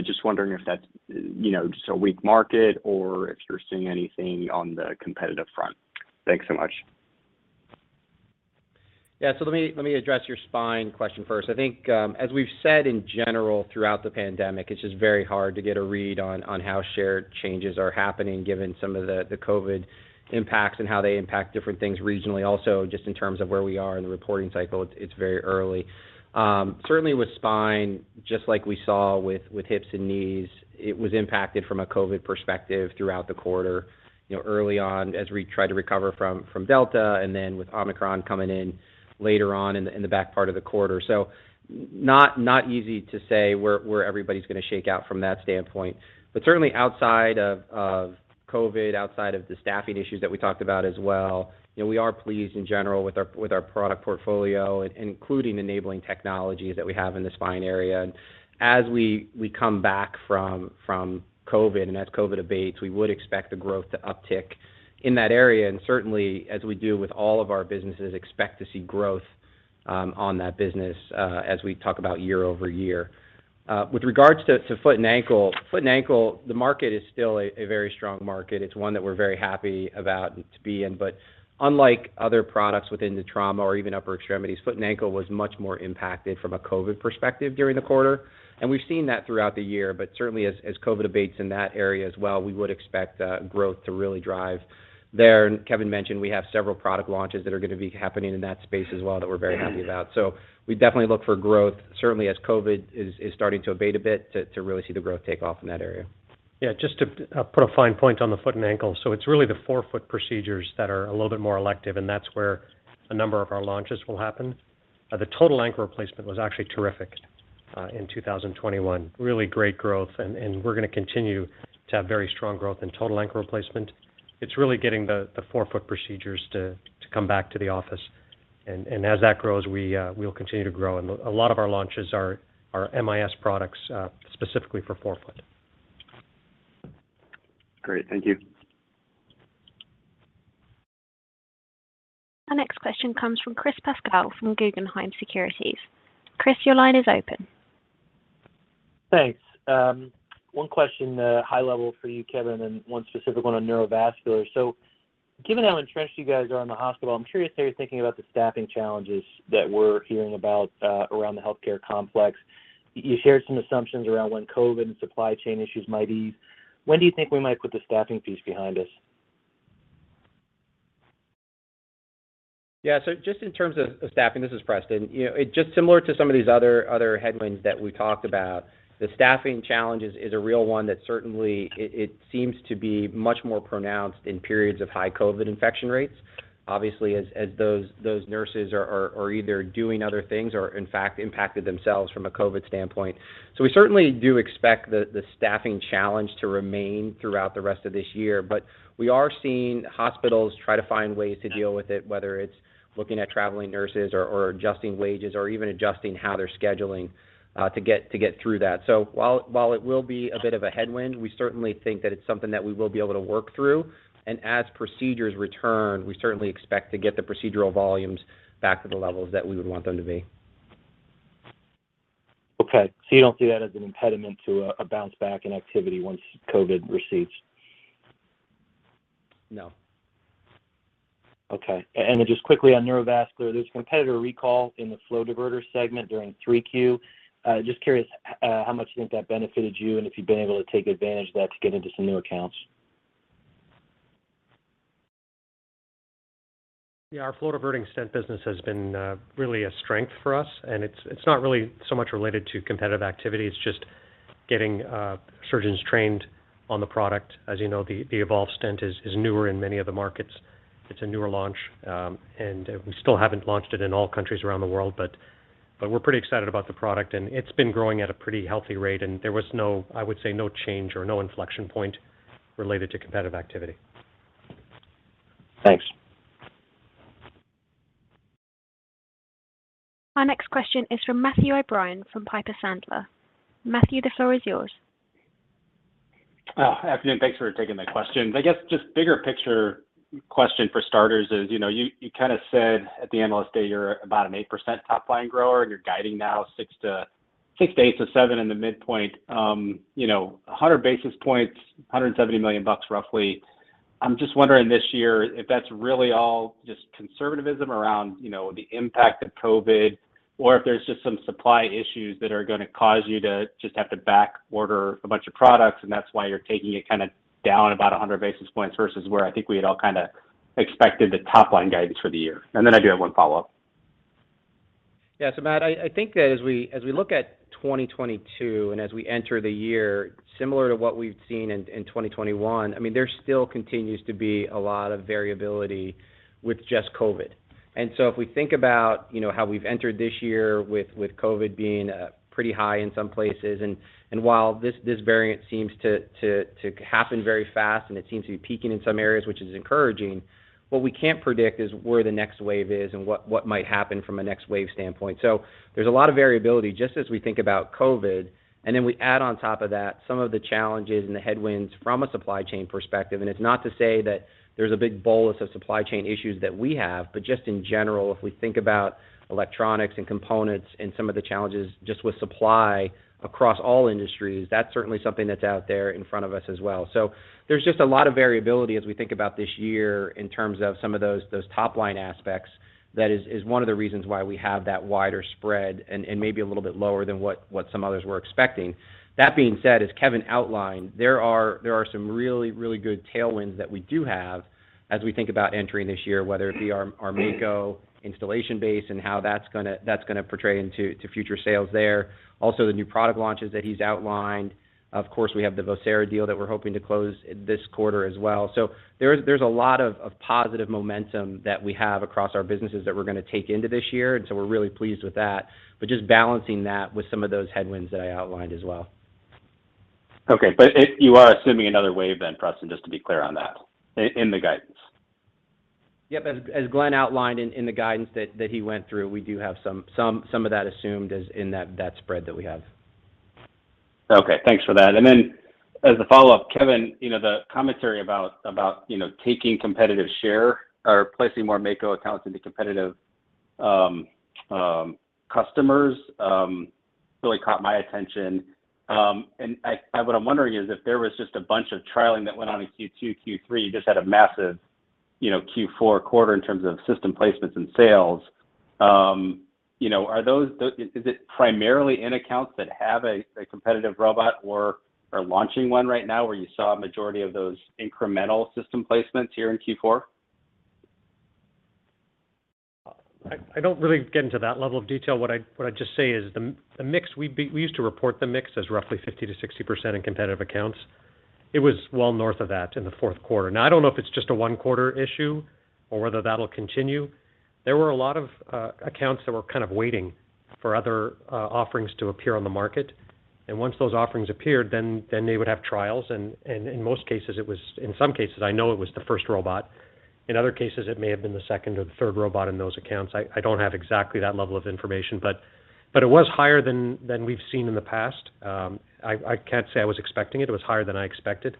Just wondering if that's you know just a weak market or if you're seeing anything on the competitive front. Thanks so much. Let me address your spine question first. I think, as we've said in general throughout the pandemic, it's just very hard to get a read on how share changes are happening given some of the COVID impacts and how they impact different things regionally. Also, just in terms of where we are in the reporting cycle, it's very early. Certainly with spine, just like we saw with hips and knees, it was impacted from a COVID perspective throughout the quarter. Early on as we tried to recover from Delta and then with Omicron coming in later on in the back part of the quarter. Not easy to say where everybody's going to shake out from that standpoint. Certainly outside of COVID, outside of the staffing issues that we talked about as well we are pleased in general with our product portfolio, including enabling technology that we have in the spine area. As we come back from COVID and as COVID abates, we would expect the growth to uptick in that area. Certainly, as we do with all of our businesses, expect to see growth on that business as we talk about year-over-year. With regards to foot and ankle, the market is still a very strong market. It's one that we're very happy about to be in. Unlike other products within the trauma or even upper extremities, foot and ankle was much more impacted from a COVID perspective during the quarter. We've seen that throughout the year. Certainly as COVID abates in that area as well, we would expect growth to really drive there. Kevin mentioned we have several product launches that are going to be happening in that space as well that we're very happy about. We definitely look for growth, certainly as COVID is starting to abate a bit to really see the growth take off in that area. Just to put a fine point on the foot and ankle. It's really the forefoot procedures that are a little bit more elective, and that's where a number of our launches will happen. The total ankle replacement was actually terrific in 2021. Really great growth. We're going to continue to have very strong growth in total ankle replacement. It's really getting the forefoot procedures to come back to the office. As that grows, we'll continue to grow. A lot of our launches are MIS products specifically for forefoot. Great. Thank you. Our next question comes from Chris Pasquale from Guggenheim Securities. Chris, your line is open. Thanks. One question, high level for you, Kevin, and one specific one on Neurovascular. Given how entrenched you guys are in the hospital, I'm curious how you're thinking about the staffing challenges that we're hearing about around the healthcare complex. You shared some assumptions around when COVID and supply chain issues might ease. When do you think we might put the staffing piece behind us? Yeah. Just in terms of staffing, this is Preston. it's just similar to some of these other headwinds that we talked about. The staffing challenge is a real one that certainly it seems to be much more pronounced in periods of high COVID infection rates, obviously, as those nurses are either doing other things or in fact impacted themselves from a COVID standpoint. We certainly do expect the staffing challenge to remain throughout the rest of this year. We are seeing hospitals try to find ways to deal with it, whether it's looking at traveling nurses or adjusting wages, or even adjusting how they're scheduling to get through that. While it will be a bit of a headwind, we certainly think that it's something that we will be able to work through. As procedures return, we certainly expect to get the procedural volumes back to the levels that we would want them to be. Okay. You don't see that as an impediment to a bounce back in activity once COVID recedes? No. Okay. Just quickly on Neurovascular, there's a competitor recall in the flow diverter segment during Q3. Just curious, how much do you think that benefited you and if you've been able to take advantage of that to get into some new accounts? Our flow-diverting stent business has been really a strength for us, and it's not really so much related to competitive activity. It's just getting surgeons trained on the product. As the Surpass Evolve stent is newer in many of the markets. It's a newer launch, and we still haven't launched it in all countries around the world. We're pretty excited about the product, and it's been growing at a pretty healthy rate, and there was no, I would say, no change or no inflection point related to competitive activity. Thanks. Our next question is from Matthew O'Brien from Piper Sandler. Matthew, the floor is yours. Good afternoon. Thanks for taking my questions. I guess just bigger picture question for starters is you kind of said at the Analyst Day you're about an 8% top line grower and you're guiding now 6%-8%, 7% in the midpoint. 100 basis points, $170 million roughly. I'm just wondering this year if that's really all just conservatism around the impact of COVID, or if there's just some supply issues that are going to cause you to just have to back order a bunch of products and that's why you're taking it kinda down about 100 basis points versus where I think we had all kinda expected the top line guidance for the year. Then I do have one follow-up. Yeah. Matt, I think that as we look at 2022 and as we enter the year, similar to what we've seen in 2021, I mean, there still continues to be a lot of variability with just COVID. If we think about how we've entered this year with COVID being pretty high in some places, and while this variant seems to happen very fast and it seems to be peaking in some areas, which is encouraging, what we can't predict is where the next wave is and what might happen from a next wave standpoint. There's a lot of variability just as we think about COVID. Then we add on top of that some of the challenges and the headwinds from a supply chain perspective. It's not to say that there's a big bolus of supply chain issues that we have, but just in general, if we think about electronics and components and some of the challenges just with supply across all industries, that's certainly something that's out there in front of us as well. There's just a lot of variability as we think about this year in terms of some of those top line aspects that is one of the reasons why we have that wider spread and maybe a little bit lower than what some others were expecting. That being said, as Kevin outlined, there are some really good tailwinds that we do have as we think about entering this year, whether it be our Mako installation base and how that's going to play into future sales there. Also, the new product launches that he's outlined. Of course, we have the Vocera deal that we're hoping to close this quarter as well. There's a lot of positive momentum that we have across our businesses that we're going to take into this year, and so we're really pleased with that. Just balancing that with some of those headwinds that I outlined as well. You are assuming another wave then, Preston, just to be clear on that in the guidance. Yep. As Glenn outlined in the guidance that he went through, we do have some of that assumed as in that spread that we have. Okay, thanks for that. Then as a follow-up, kevin the commentary about taking competitive share or placing more Mako accounts into competitive customers really caught my attention. What I'm wondering is if there was just a bunch of trialing that went on in Q2, Q3, you just had a massive Q4 quarter in terms of system placements and sales. Is it primarily in accounts that have a competitive robot or are launching one right now, where you saw a majority of those incremental system placements here in Q4? I don't really get into that level of detail. What I'd just say is the mix we used to report the mix as roughly 50%-60% in competitive accounts. It was well north of that in the Q4. Now, I don't know if it's just a one quarter issue or whether that'll continue. There were a lot of accounts that were kind of waiting for other offerings to appear on the market, and once those offerings appeared, then they would have trials. In most cases, it was in some cases, I know it was the first robot. In other cases, it may have been the second or the third robot in those accounts. I don't have exactly that level of information, but it was higher than we've seen in the past. I can't say I was expecting it. It was higher than I expected.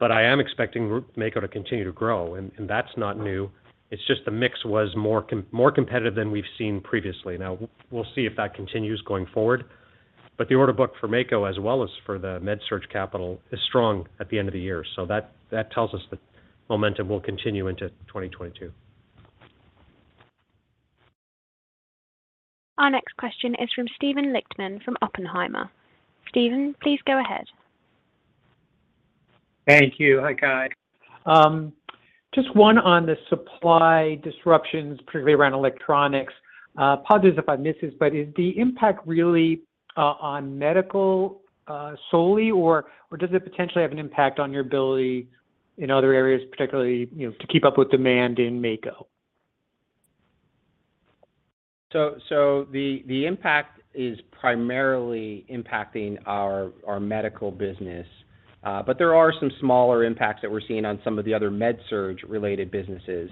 I am expecting Mako to continue to grow, and that's not new. It's just the mix was more competitive than we've seen previously. Now, we'll see if that continues going forward. The order book for Mako as well as for the MedSurg capital is strong at the end of the year. That tells us that momentum will continue into 2022. Our next question is from Steven Lichtman from Oppenheimer. Steven, please go ahead. Thank you. Hi, guys. Just one on the supply disruptions, particularly around electronics. Apologies if I missed this, but is the impact really on medical solely, or does it potentially have an impact on your ability in other areas, particularly to keep up with demand in Mako? The impact is primarily impacting our medical business. There are some smaller impacts that we're seeing on some of the other MedSurg related businesses.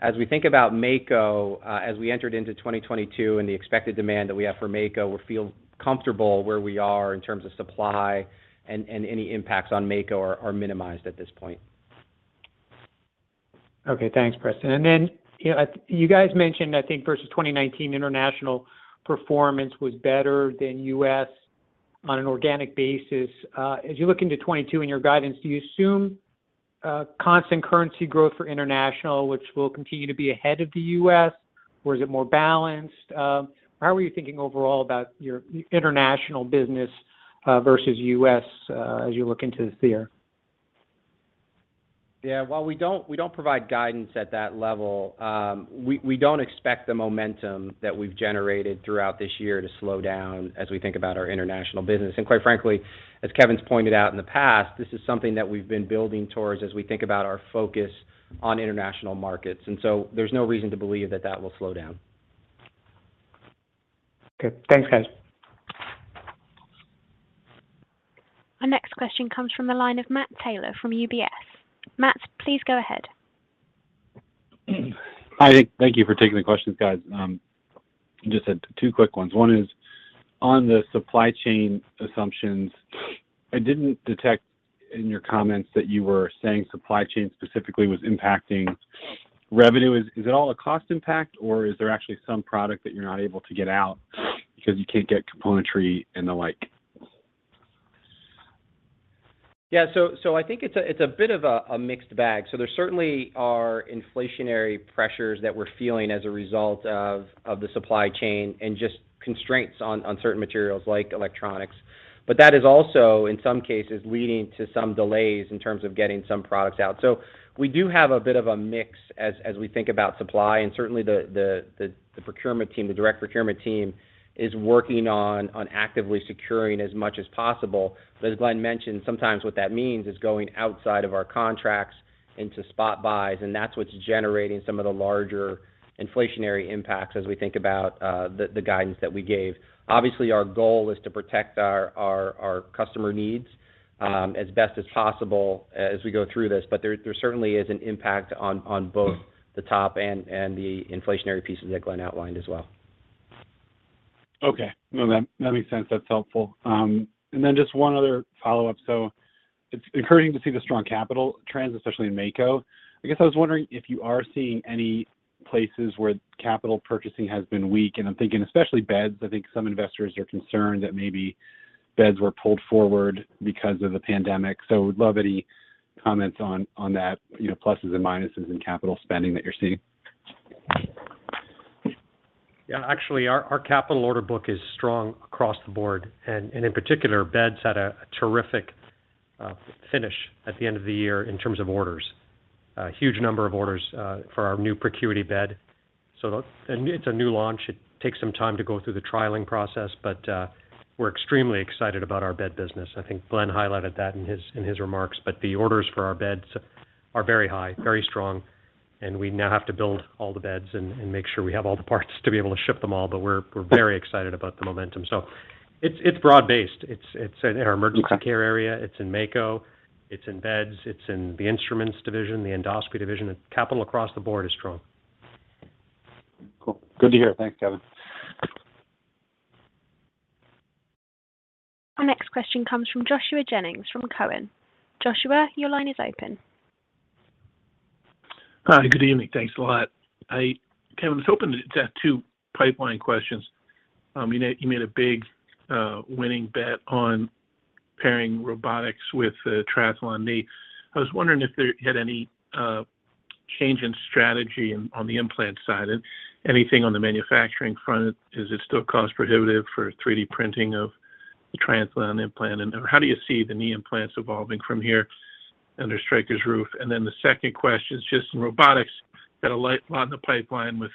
As we think about Mako, as we entered into 2022 and the expected demand that we have for Mako, we feel comfortable where we are in terms of supply and any impacts on Mako are minimized at this point. Okay, thanks, Preston. you guys mentioned, I think versus 2019 international performance was better than U.S. on an organic basis. As you look into 2022 in your guidance, do you assume constant currency growth for international, which will continue to be ahead of the U.S., or is it more balanced? How are you thinking overall about your international business versus U.S. as you look into this year? Yeah, while we don't provide guidance at that level, we don't expect the momentum that we've generated throughout this year to slow down as we think about our international business. Quite frankly, as Kevin's pointed out in the past, this is something that we've been building towards as we think about our focus on international markets. There's no reason to believe that will slow down. Okay. Thanks, guys. Our next question comes from the line of Matt Taylor from UBS. Matt, please go ahead. Hi. Thank you for taking the questions, guys. Just had two quick ones. One is on the supply chain assumptions. I didn't detect in your comments that you were saying supply chain specifically was impacting revenue. Is it all a cost impact, or is there actually some product that you're not able to get out because you can't get componentry and the like? Yeah. I think it's a bit of a mixed bag. There certainly are inflationary pressures that we're feeling as a result of the supply chain and just constraints on certain materials like electronics. But that is also, in some cases, leading to some delays in terms of getting some products out. We do have a bit of a mix as we think about supply, and certainly the procurement team, the direct procurement team is working on actively securing as much as possible. As Glenn mentioned, sometimes what that means is going outside of our contracts. Into spot buys, and that's what's generating some of the larger inflationary impacts as we think about the guidance that we gave. Obviously, our goal is to protect our customer needs as best as possible as we go through this. There certainly is an impact on both the top and the inflationary pieces that Glenn outlined as well. Okay. No, that makes sense. That's helpful. Just one other follow-up. It's encouraging to see the strong capital trends, especially in Mako. I guess I was wondering if you are seeing any places where capital purchasing has been weak, and I'm thinking especially beds. I think some investors are concerned that maybe beds were pulled forward because of the pandemic. Would love any comments on that pluses and minuses in capital spending that you're seeing. Yeah. Actually, our capital order book is strong across the board, and in particular, beds had a terrific finish at the end of the year in terms of orders. A huge number of orders for our new ProCuity bed. It's a new launch. It takes some time to go through the trialing process, but we're extremely excited about our bed business. I think Glenn highlighted that in his remarks. The orders for our beds are very high, very strong, and we now have to build all the beds and make sure we have all the parts to be able to ship them all. We're very excited about the momentum. It's broad-based. It's in our emergency care area. Okay. It's in Mako, it's in beds, it's in the instruments division, the endoscopy division. Capital across the board is strong. Cool. Good to hear. Thanks, Kevin. Our next question comes from Joshua Jennings from Cowen. Joshua, your line is open. Hi. Good evening. Thanks a lot. Kevin, I was hoping to just ask two pipeline questions. you made a big winning bet on pairing robotics with Triathlon knee. I was wondering if there had any change in strategy on the implant side and anything on the manufacturing front. Is it still cost prohibitive for 3D printing of the Triathlon implant? And how do you see the knee implants evolving from here under Stryker's roof? And then the second question is just in robotics. Got a lot in the pipeline with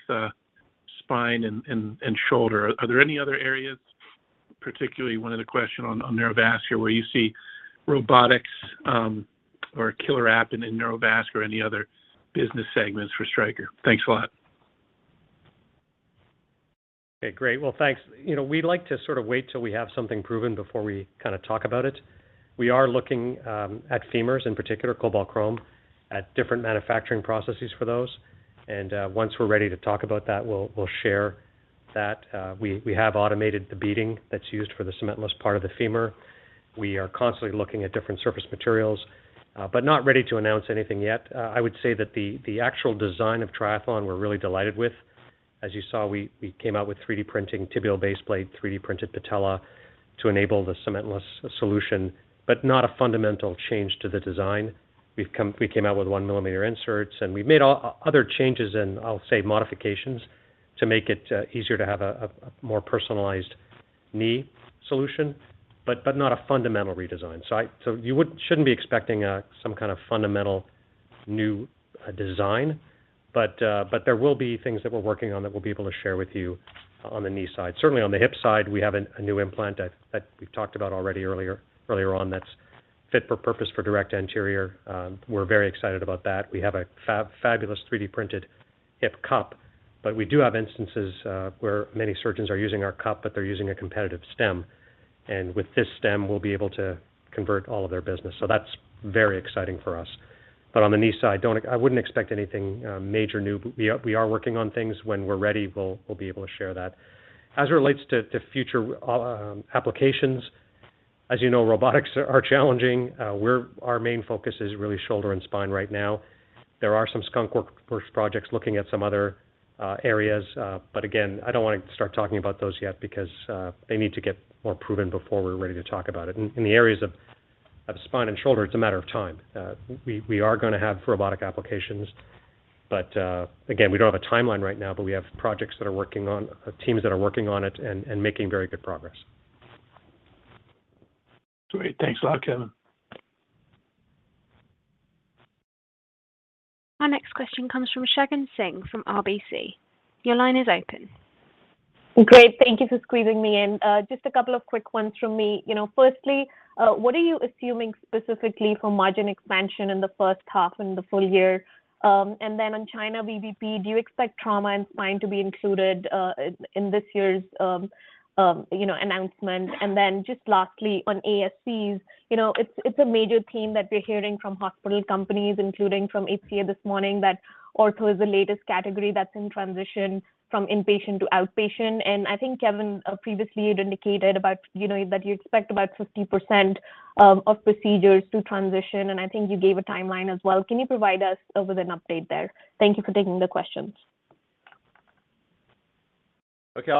spine and shoulder. Are there any other areas, particularly one other question on Neurovascular, where you see robotics or a killer app in Neurovascular or any other business segments for Stryker? Thanks a lot. Okay, great. Well, thanks. We like to sort of wait till we have something proven before we kind of talk about it. We are looking at femurs, in particular cobalt chrome, at different manufacturing processes for those. Once we're ready to talk about that, we'll share that. We have automated the beading that's used for the cementless part of the femur. We are constantly looking at different surface materials, but not ready to announce anything yet. I would say that the actual design of Triathlon we're really delighted with. As you saw, we came out with 3D printing tibial baseplate, 3D printed patella to enable the cementless solution, but not a fundamental change to the design. We came out with 1 millimeter inserts, and we've made other changes and I'll say modifications to make it easier to have a more personalized knee solution, but not a fundamental redesign. You shouldn't be expecting some kind of fundamental new design. There will be things that we're working on that we'll be able to share with you on the knee side. Certainly on the hip side, we have a new implant that we've talked about already earlier on that's fit for purpose for direct anterior. We're very excited about that. We have a fabulous 3D printed hip cup, but we do have instances where many surgeons are using our cup, but they're using a competitive stem. With this stem, we'll be able to convert all of their business. That's very exciting for us. On the knee side, I wouldn't expect anything major new. We are working on things. When we're ready, we'll be able to share that. As it relates to future applications, as robotics are challenging. Our main focus is really shoulder and spine right now. There are some skunkworks projects looking at some other areas. But again, I don't want to start talking about those yet because they need to get more proven before we're ready to talk about it. In the areas of spine and shoulder, it's a matter of time. We are going to have robotic applications, but again, we don't have a timeline right now, but we have teams that are working on it and making very good progress. Great. Thanks a lot, Kevin. Our next question comes from Shagun Singh from RBC. Your line is open. Great. Thank you for squeezing me in. Just a couple of quick ones from me. Firstly, what are you assuming specifically for margin expansion in the first half and the full year? And then on China VBP, do you expect trauma and spine to be included in this year's announcement? And then just lastly, on ascs it's a major theme that we're hearing from hospital companies, including from HCA this morning, that ortho is the latest category that's in transition from inpatient to outpatient. I think, Kevin, previously you'd indicated about that you expect about 50% of procedures to transition, and I think you gave a timeline as well. Can you provide us with an update there? Thank you for taking the questions. Okay.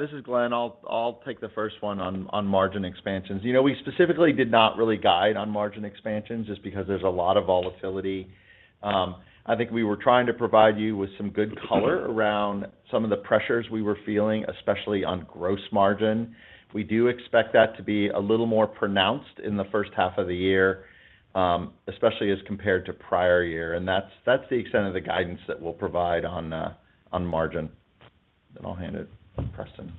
This is Glenn. I'll take the first one on margin expansions. We specifically did not really guide on margin expansions just because there's a lot of volatility. I think we were trying to provide you with some good color around some of the pressures we were feeling, especially on gross margin. We do expect that to be a little more pronounced in the first half of the year, especially as compared to prior year. That's the extent of the guidance that we'll provide on margin. I'll hand it to Preston.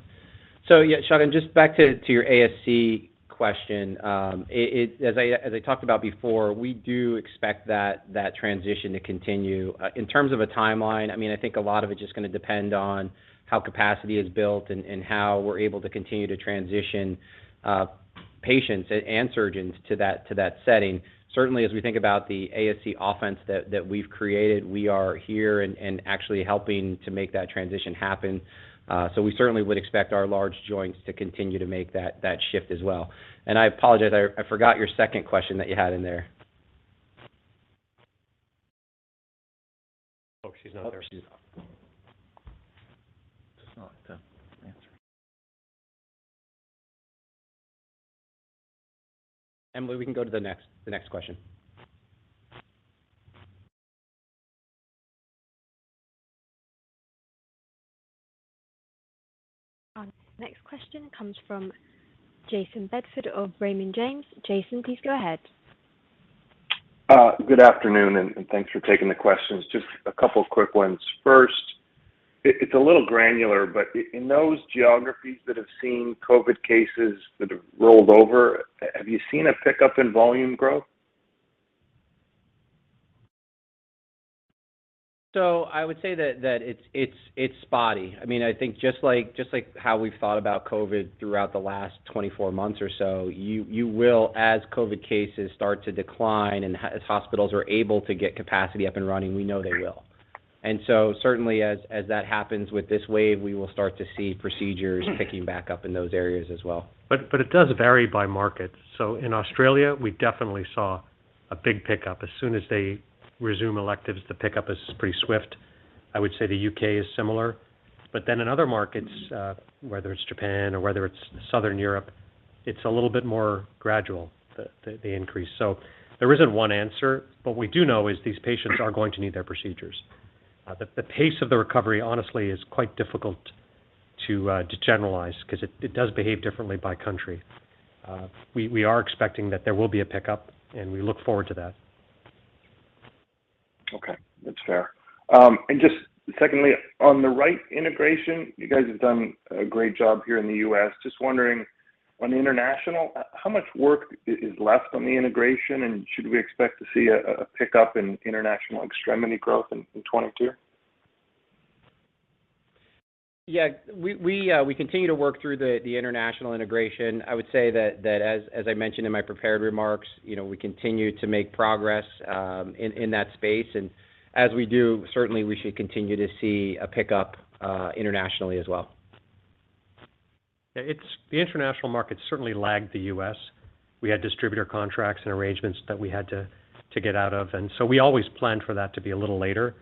Sean, just back to your ASC question. As I talked about before, we do expect that transition to continue. In terms of a timeline, I mean, I think a lot of it is just going to depend on how capacity is built and how we're able to continue to transition patients and surgeons to that setting. Certainly, as we think about the ASC offense that we've created, we are here and actually helping to make that transition happen. We certainly would expect our large joints to continue to make that shift as well. I apologize, I forgot your second question that you had in there. Oh, she's not there. She's not. Just not answering. Emily, we can go to the next question. Next question comes from Jason Bedford of Raymond James. Jason, please go ahead. Good afternoon, and thanks for taking the questions. Just a couple of quick ones. First, it's a little granular, but in those geographies that have seen COVID cases that have rolled over, have you seen a pickup in volume growth? I would say that it's spotty. I mean, I think just like how we've thought about COVID throughout the last 24 months or so, you will, as COVID cases start to decline and hospitals are able to get capacity up and running, we know they will. Certainly as that happens with this wave, we will start to see procedures picking back up in those areas as well. It does vary by market. In Australia, we definitely saw a big pickup. As soon as they resume electives, the pickup is pretty swift. I would say the U.K. is similar. In other markets, whether it's Japan or whether it's Southern Europe, it's a little bit more gradual, the increase. There isn't one answer, but we do know is these patients are going to need their procedures. The pace of the recovery, honestly, is quite difficult to generalize because it does behave differently by country. We are expecting that there will be a pickup, and we look forward to that. Okay, that's fair. Just secondly, on the Wright integration, you guys have done a great job here in the U.S. Just wondering, on the international, how much work is left on the integration, and should we expect to see a pickup in international extremity growth in 2022? Yeah. We continue to work through the international integration. I would say that as I mentioned in my prepared remarks we continue to make progress in that space. As we do, certainly we should continue to see a pickup internationally as well. Yeah. It's the international market certainly lagged the U.S. We had distributor contracts and arrangements that we had to get out of, and so we always planned for that to be a little later.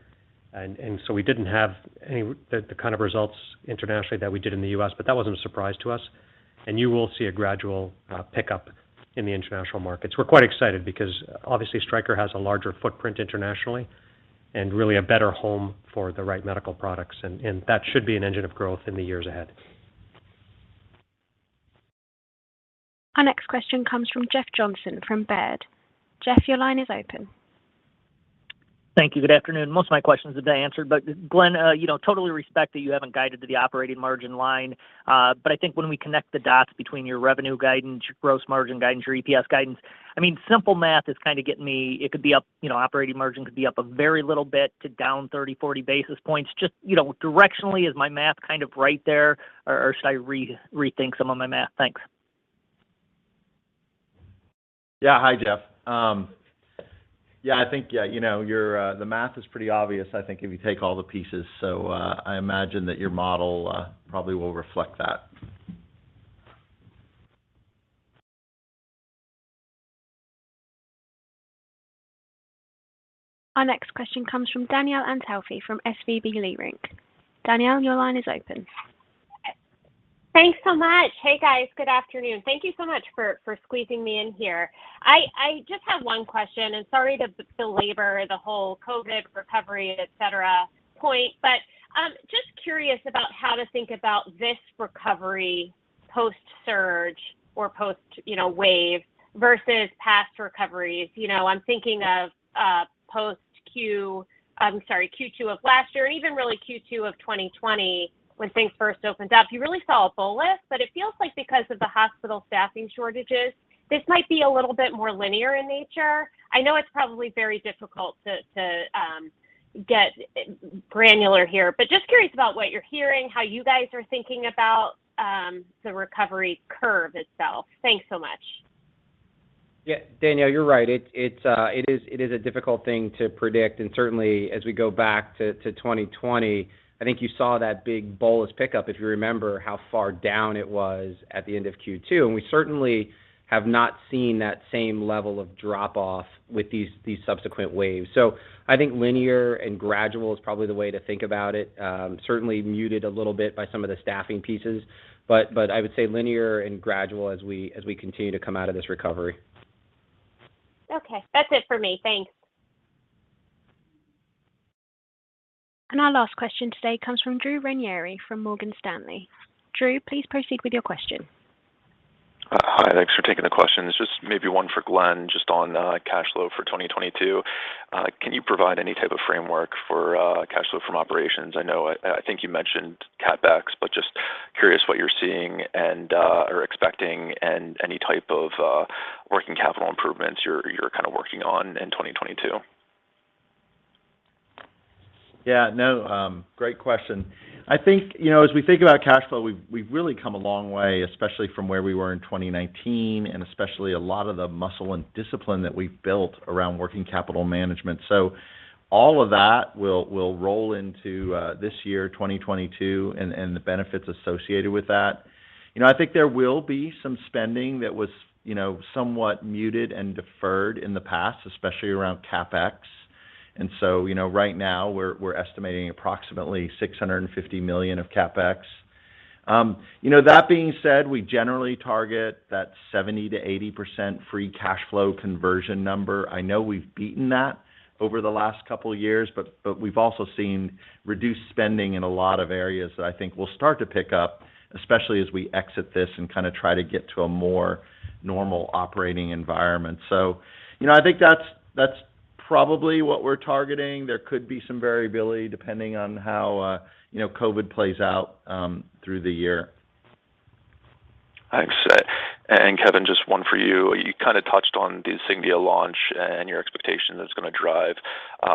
So we didn't have the kind of results internationally that we did in the U.S., but that wasn't a surprise to us. You will see a gradual pickup in the international markets. We're quite excited because obviously, Stryker has a larger footprint internationally and really a better home for the right medical products, and that should be an engine of growth in the years ahead. Our next question comes from Jeff Johnson from Baird. Jeff, your line is open. Thank you. Good afternoon. Most of my questions have been answered. glenn totally respect that you haven't guided to the operating margin line. I think when we connect the dots between your revenue guidance, your gross margin guidance, your EPS guidance, I mean, simple math is kinda getting me, it could be up operating margin could be up a very little bit to down 30, 40 basis points. just directionally, is my math kind of right there or should I rethink some of my math? Thanks. Yeah. Hi, Jeff. I think you know the math is pretty obvious, I think, if you take all the pieces. I imagine that your model probably will reflect that. Our next question comes from Danielle Antalffy from SVB Leerink. Danielle, your line is open. Thanks so much. Hey, guys. Good afternoon. Thank you so much for squeezing me in here. I just have one question, and sorry to belabor the whole COVID recovery, et cetera, point. Just curious about how to think about this recovery post-surge or post wave versus past recoveries. I'm thinking of post Q2 of last year and even really Q2 of 2020 when things first opened up. You really saw a bolus, but it feels like because of the hospital staffing shortages, this might be a little bit more linear in nature. I know it's probably very difficult to get granular here, but just curious about what you're hearing, how you guys are thinking about the recovery curve itself. Thanks so much. Yeah. Danielle, you're right. It is a difficult thing to predict. Certainly as we go back to 2020, I think you saw that big bolus pickup if you remember how far down it was at the end of Q2. We certainly have not seen that same level of drop off with these subsequent waves. I think linear and gradual is probably the way to think about it. Certainly muted a little bit by some of the staffing pieces. I would say linear and gradual as we continue to come out of this recovery. Okay. That's it for me. Thanks. Our last question today comes from Drew Ranieri from Morgan Stanley. Drew, please proceed with your question. Hi, thanks for taking the questions. Just maybe one for Glenn, just on cash flow for 2022. Can you provide any type of framework for cash flow from operations? I think you mentioned CapEx, but just curious what you're seeing and are expecting and any type of working capital improvements you're kinda working on in 2022. Yeah, no, great question. I think as we think about cash flow, we've really come a long way, especially from where we were in 2019 and especially a lot of the muscle and discipline that we've built around working capital management. So all of that will roll into this year, 2022, and the benefits associated with that. I think there will be some spending that was somewhat muted and deferred in the past, especially around CapEx. Right now we're estimating approximately $650 million of CapEx. That being said, we generally target that 70%-80% free cash flow conversion number. I know we've beaten that over the last couple years, but we've also seen reduced spending in a lot of areas that I think will start to pick up, especially as we exit this and kinda try to get to a more normal operating environment. I think that's probably what we're targeting. There could be some variability depending on how COVID plays out, through the year. Thanks. Kevin, just one for you. You kinda touched on the Insignia launch and your expectation that it's going to drive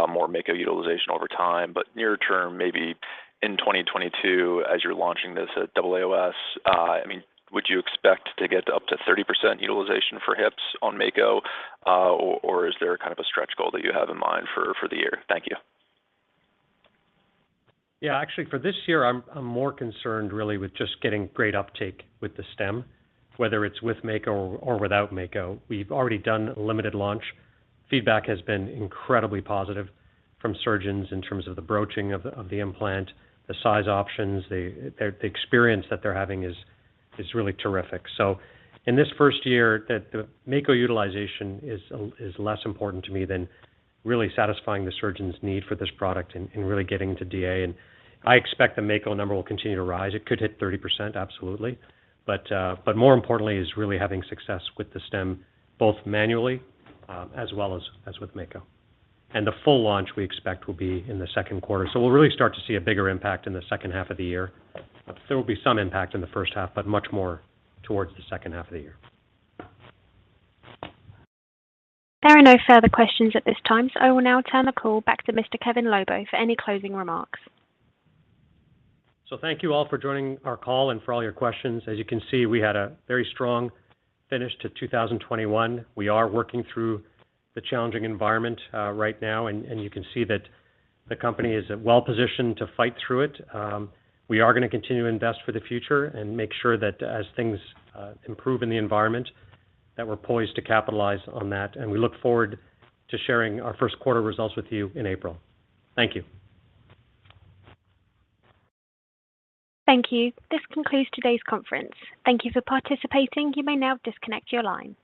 more Mako utilization over time. But near term, maybe in 2022 as you're launching this at AAOS, I mean, would you expect to get up to 30% utilization for hips on Mako, or is there kind of a stretch goal that you have in mind for the year? Thank you. Yeah. Actually, for this year, I'm more concerned really with just getting great uptake with the stem, whether it's with Mako or without Mako. We've already done limited launch. Feedback has been incredibly positive from surgeons in terms of the broaching of the implant, the size options. The experience that they're having is really terrific. In this first year, the Mako utilization is less important to me than really satisfying the surgeon's need for this product and really getting to DA. I expect the Mako number will continue to rise. It could hit 30%, absolutely. More importantly is really having success with the stem, both manually, as well as with Mako. The full launch we expect will be in the Q2, so we'll really start to see a bigger impact in the second half of the year. There will be some impact in the first half, but much more towards the second half of the year. There are no further questions at this time, so I will now turn the call back to Mr. Kevin Lobo for any closing remarks. Thank you all for joining our call and for all your questions. As you can see, we had a very strong finish to 2021. We are working through the challenging environment right now, and you can see that the company is well-positioned to fight through it. We are going to continue to invest for the future and make sure that as things improve in the environment, that we're poised to capitalize on that. We look forward to sharing our Q1 results with you in April. Thank you. Thank you. This concludes today's conference. Thank you for participating. You may now disconnect your line.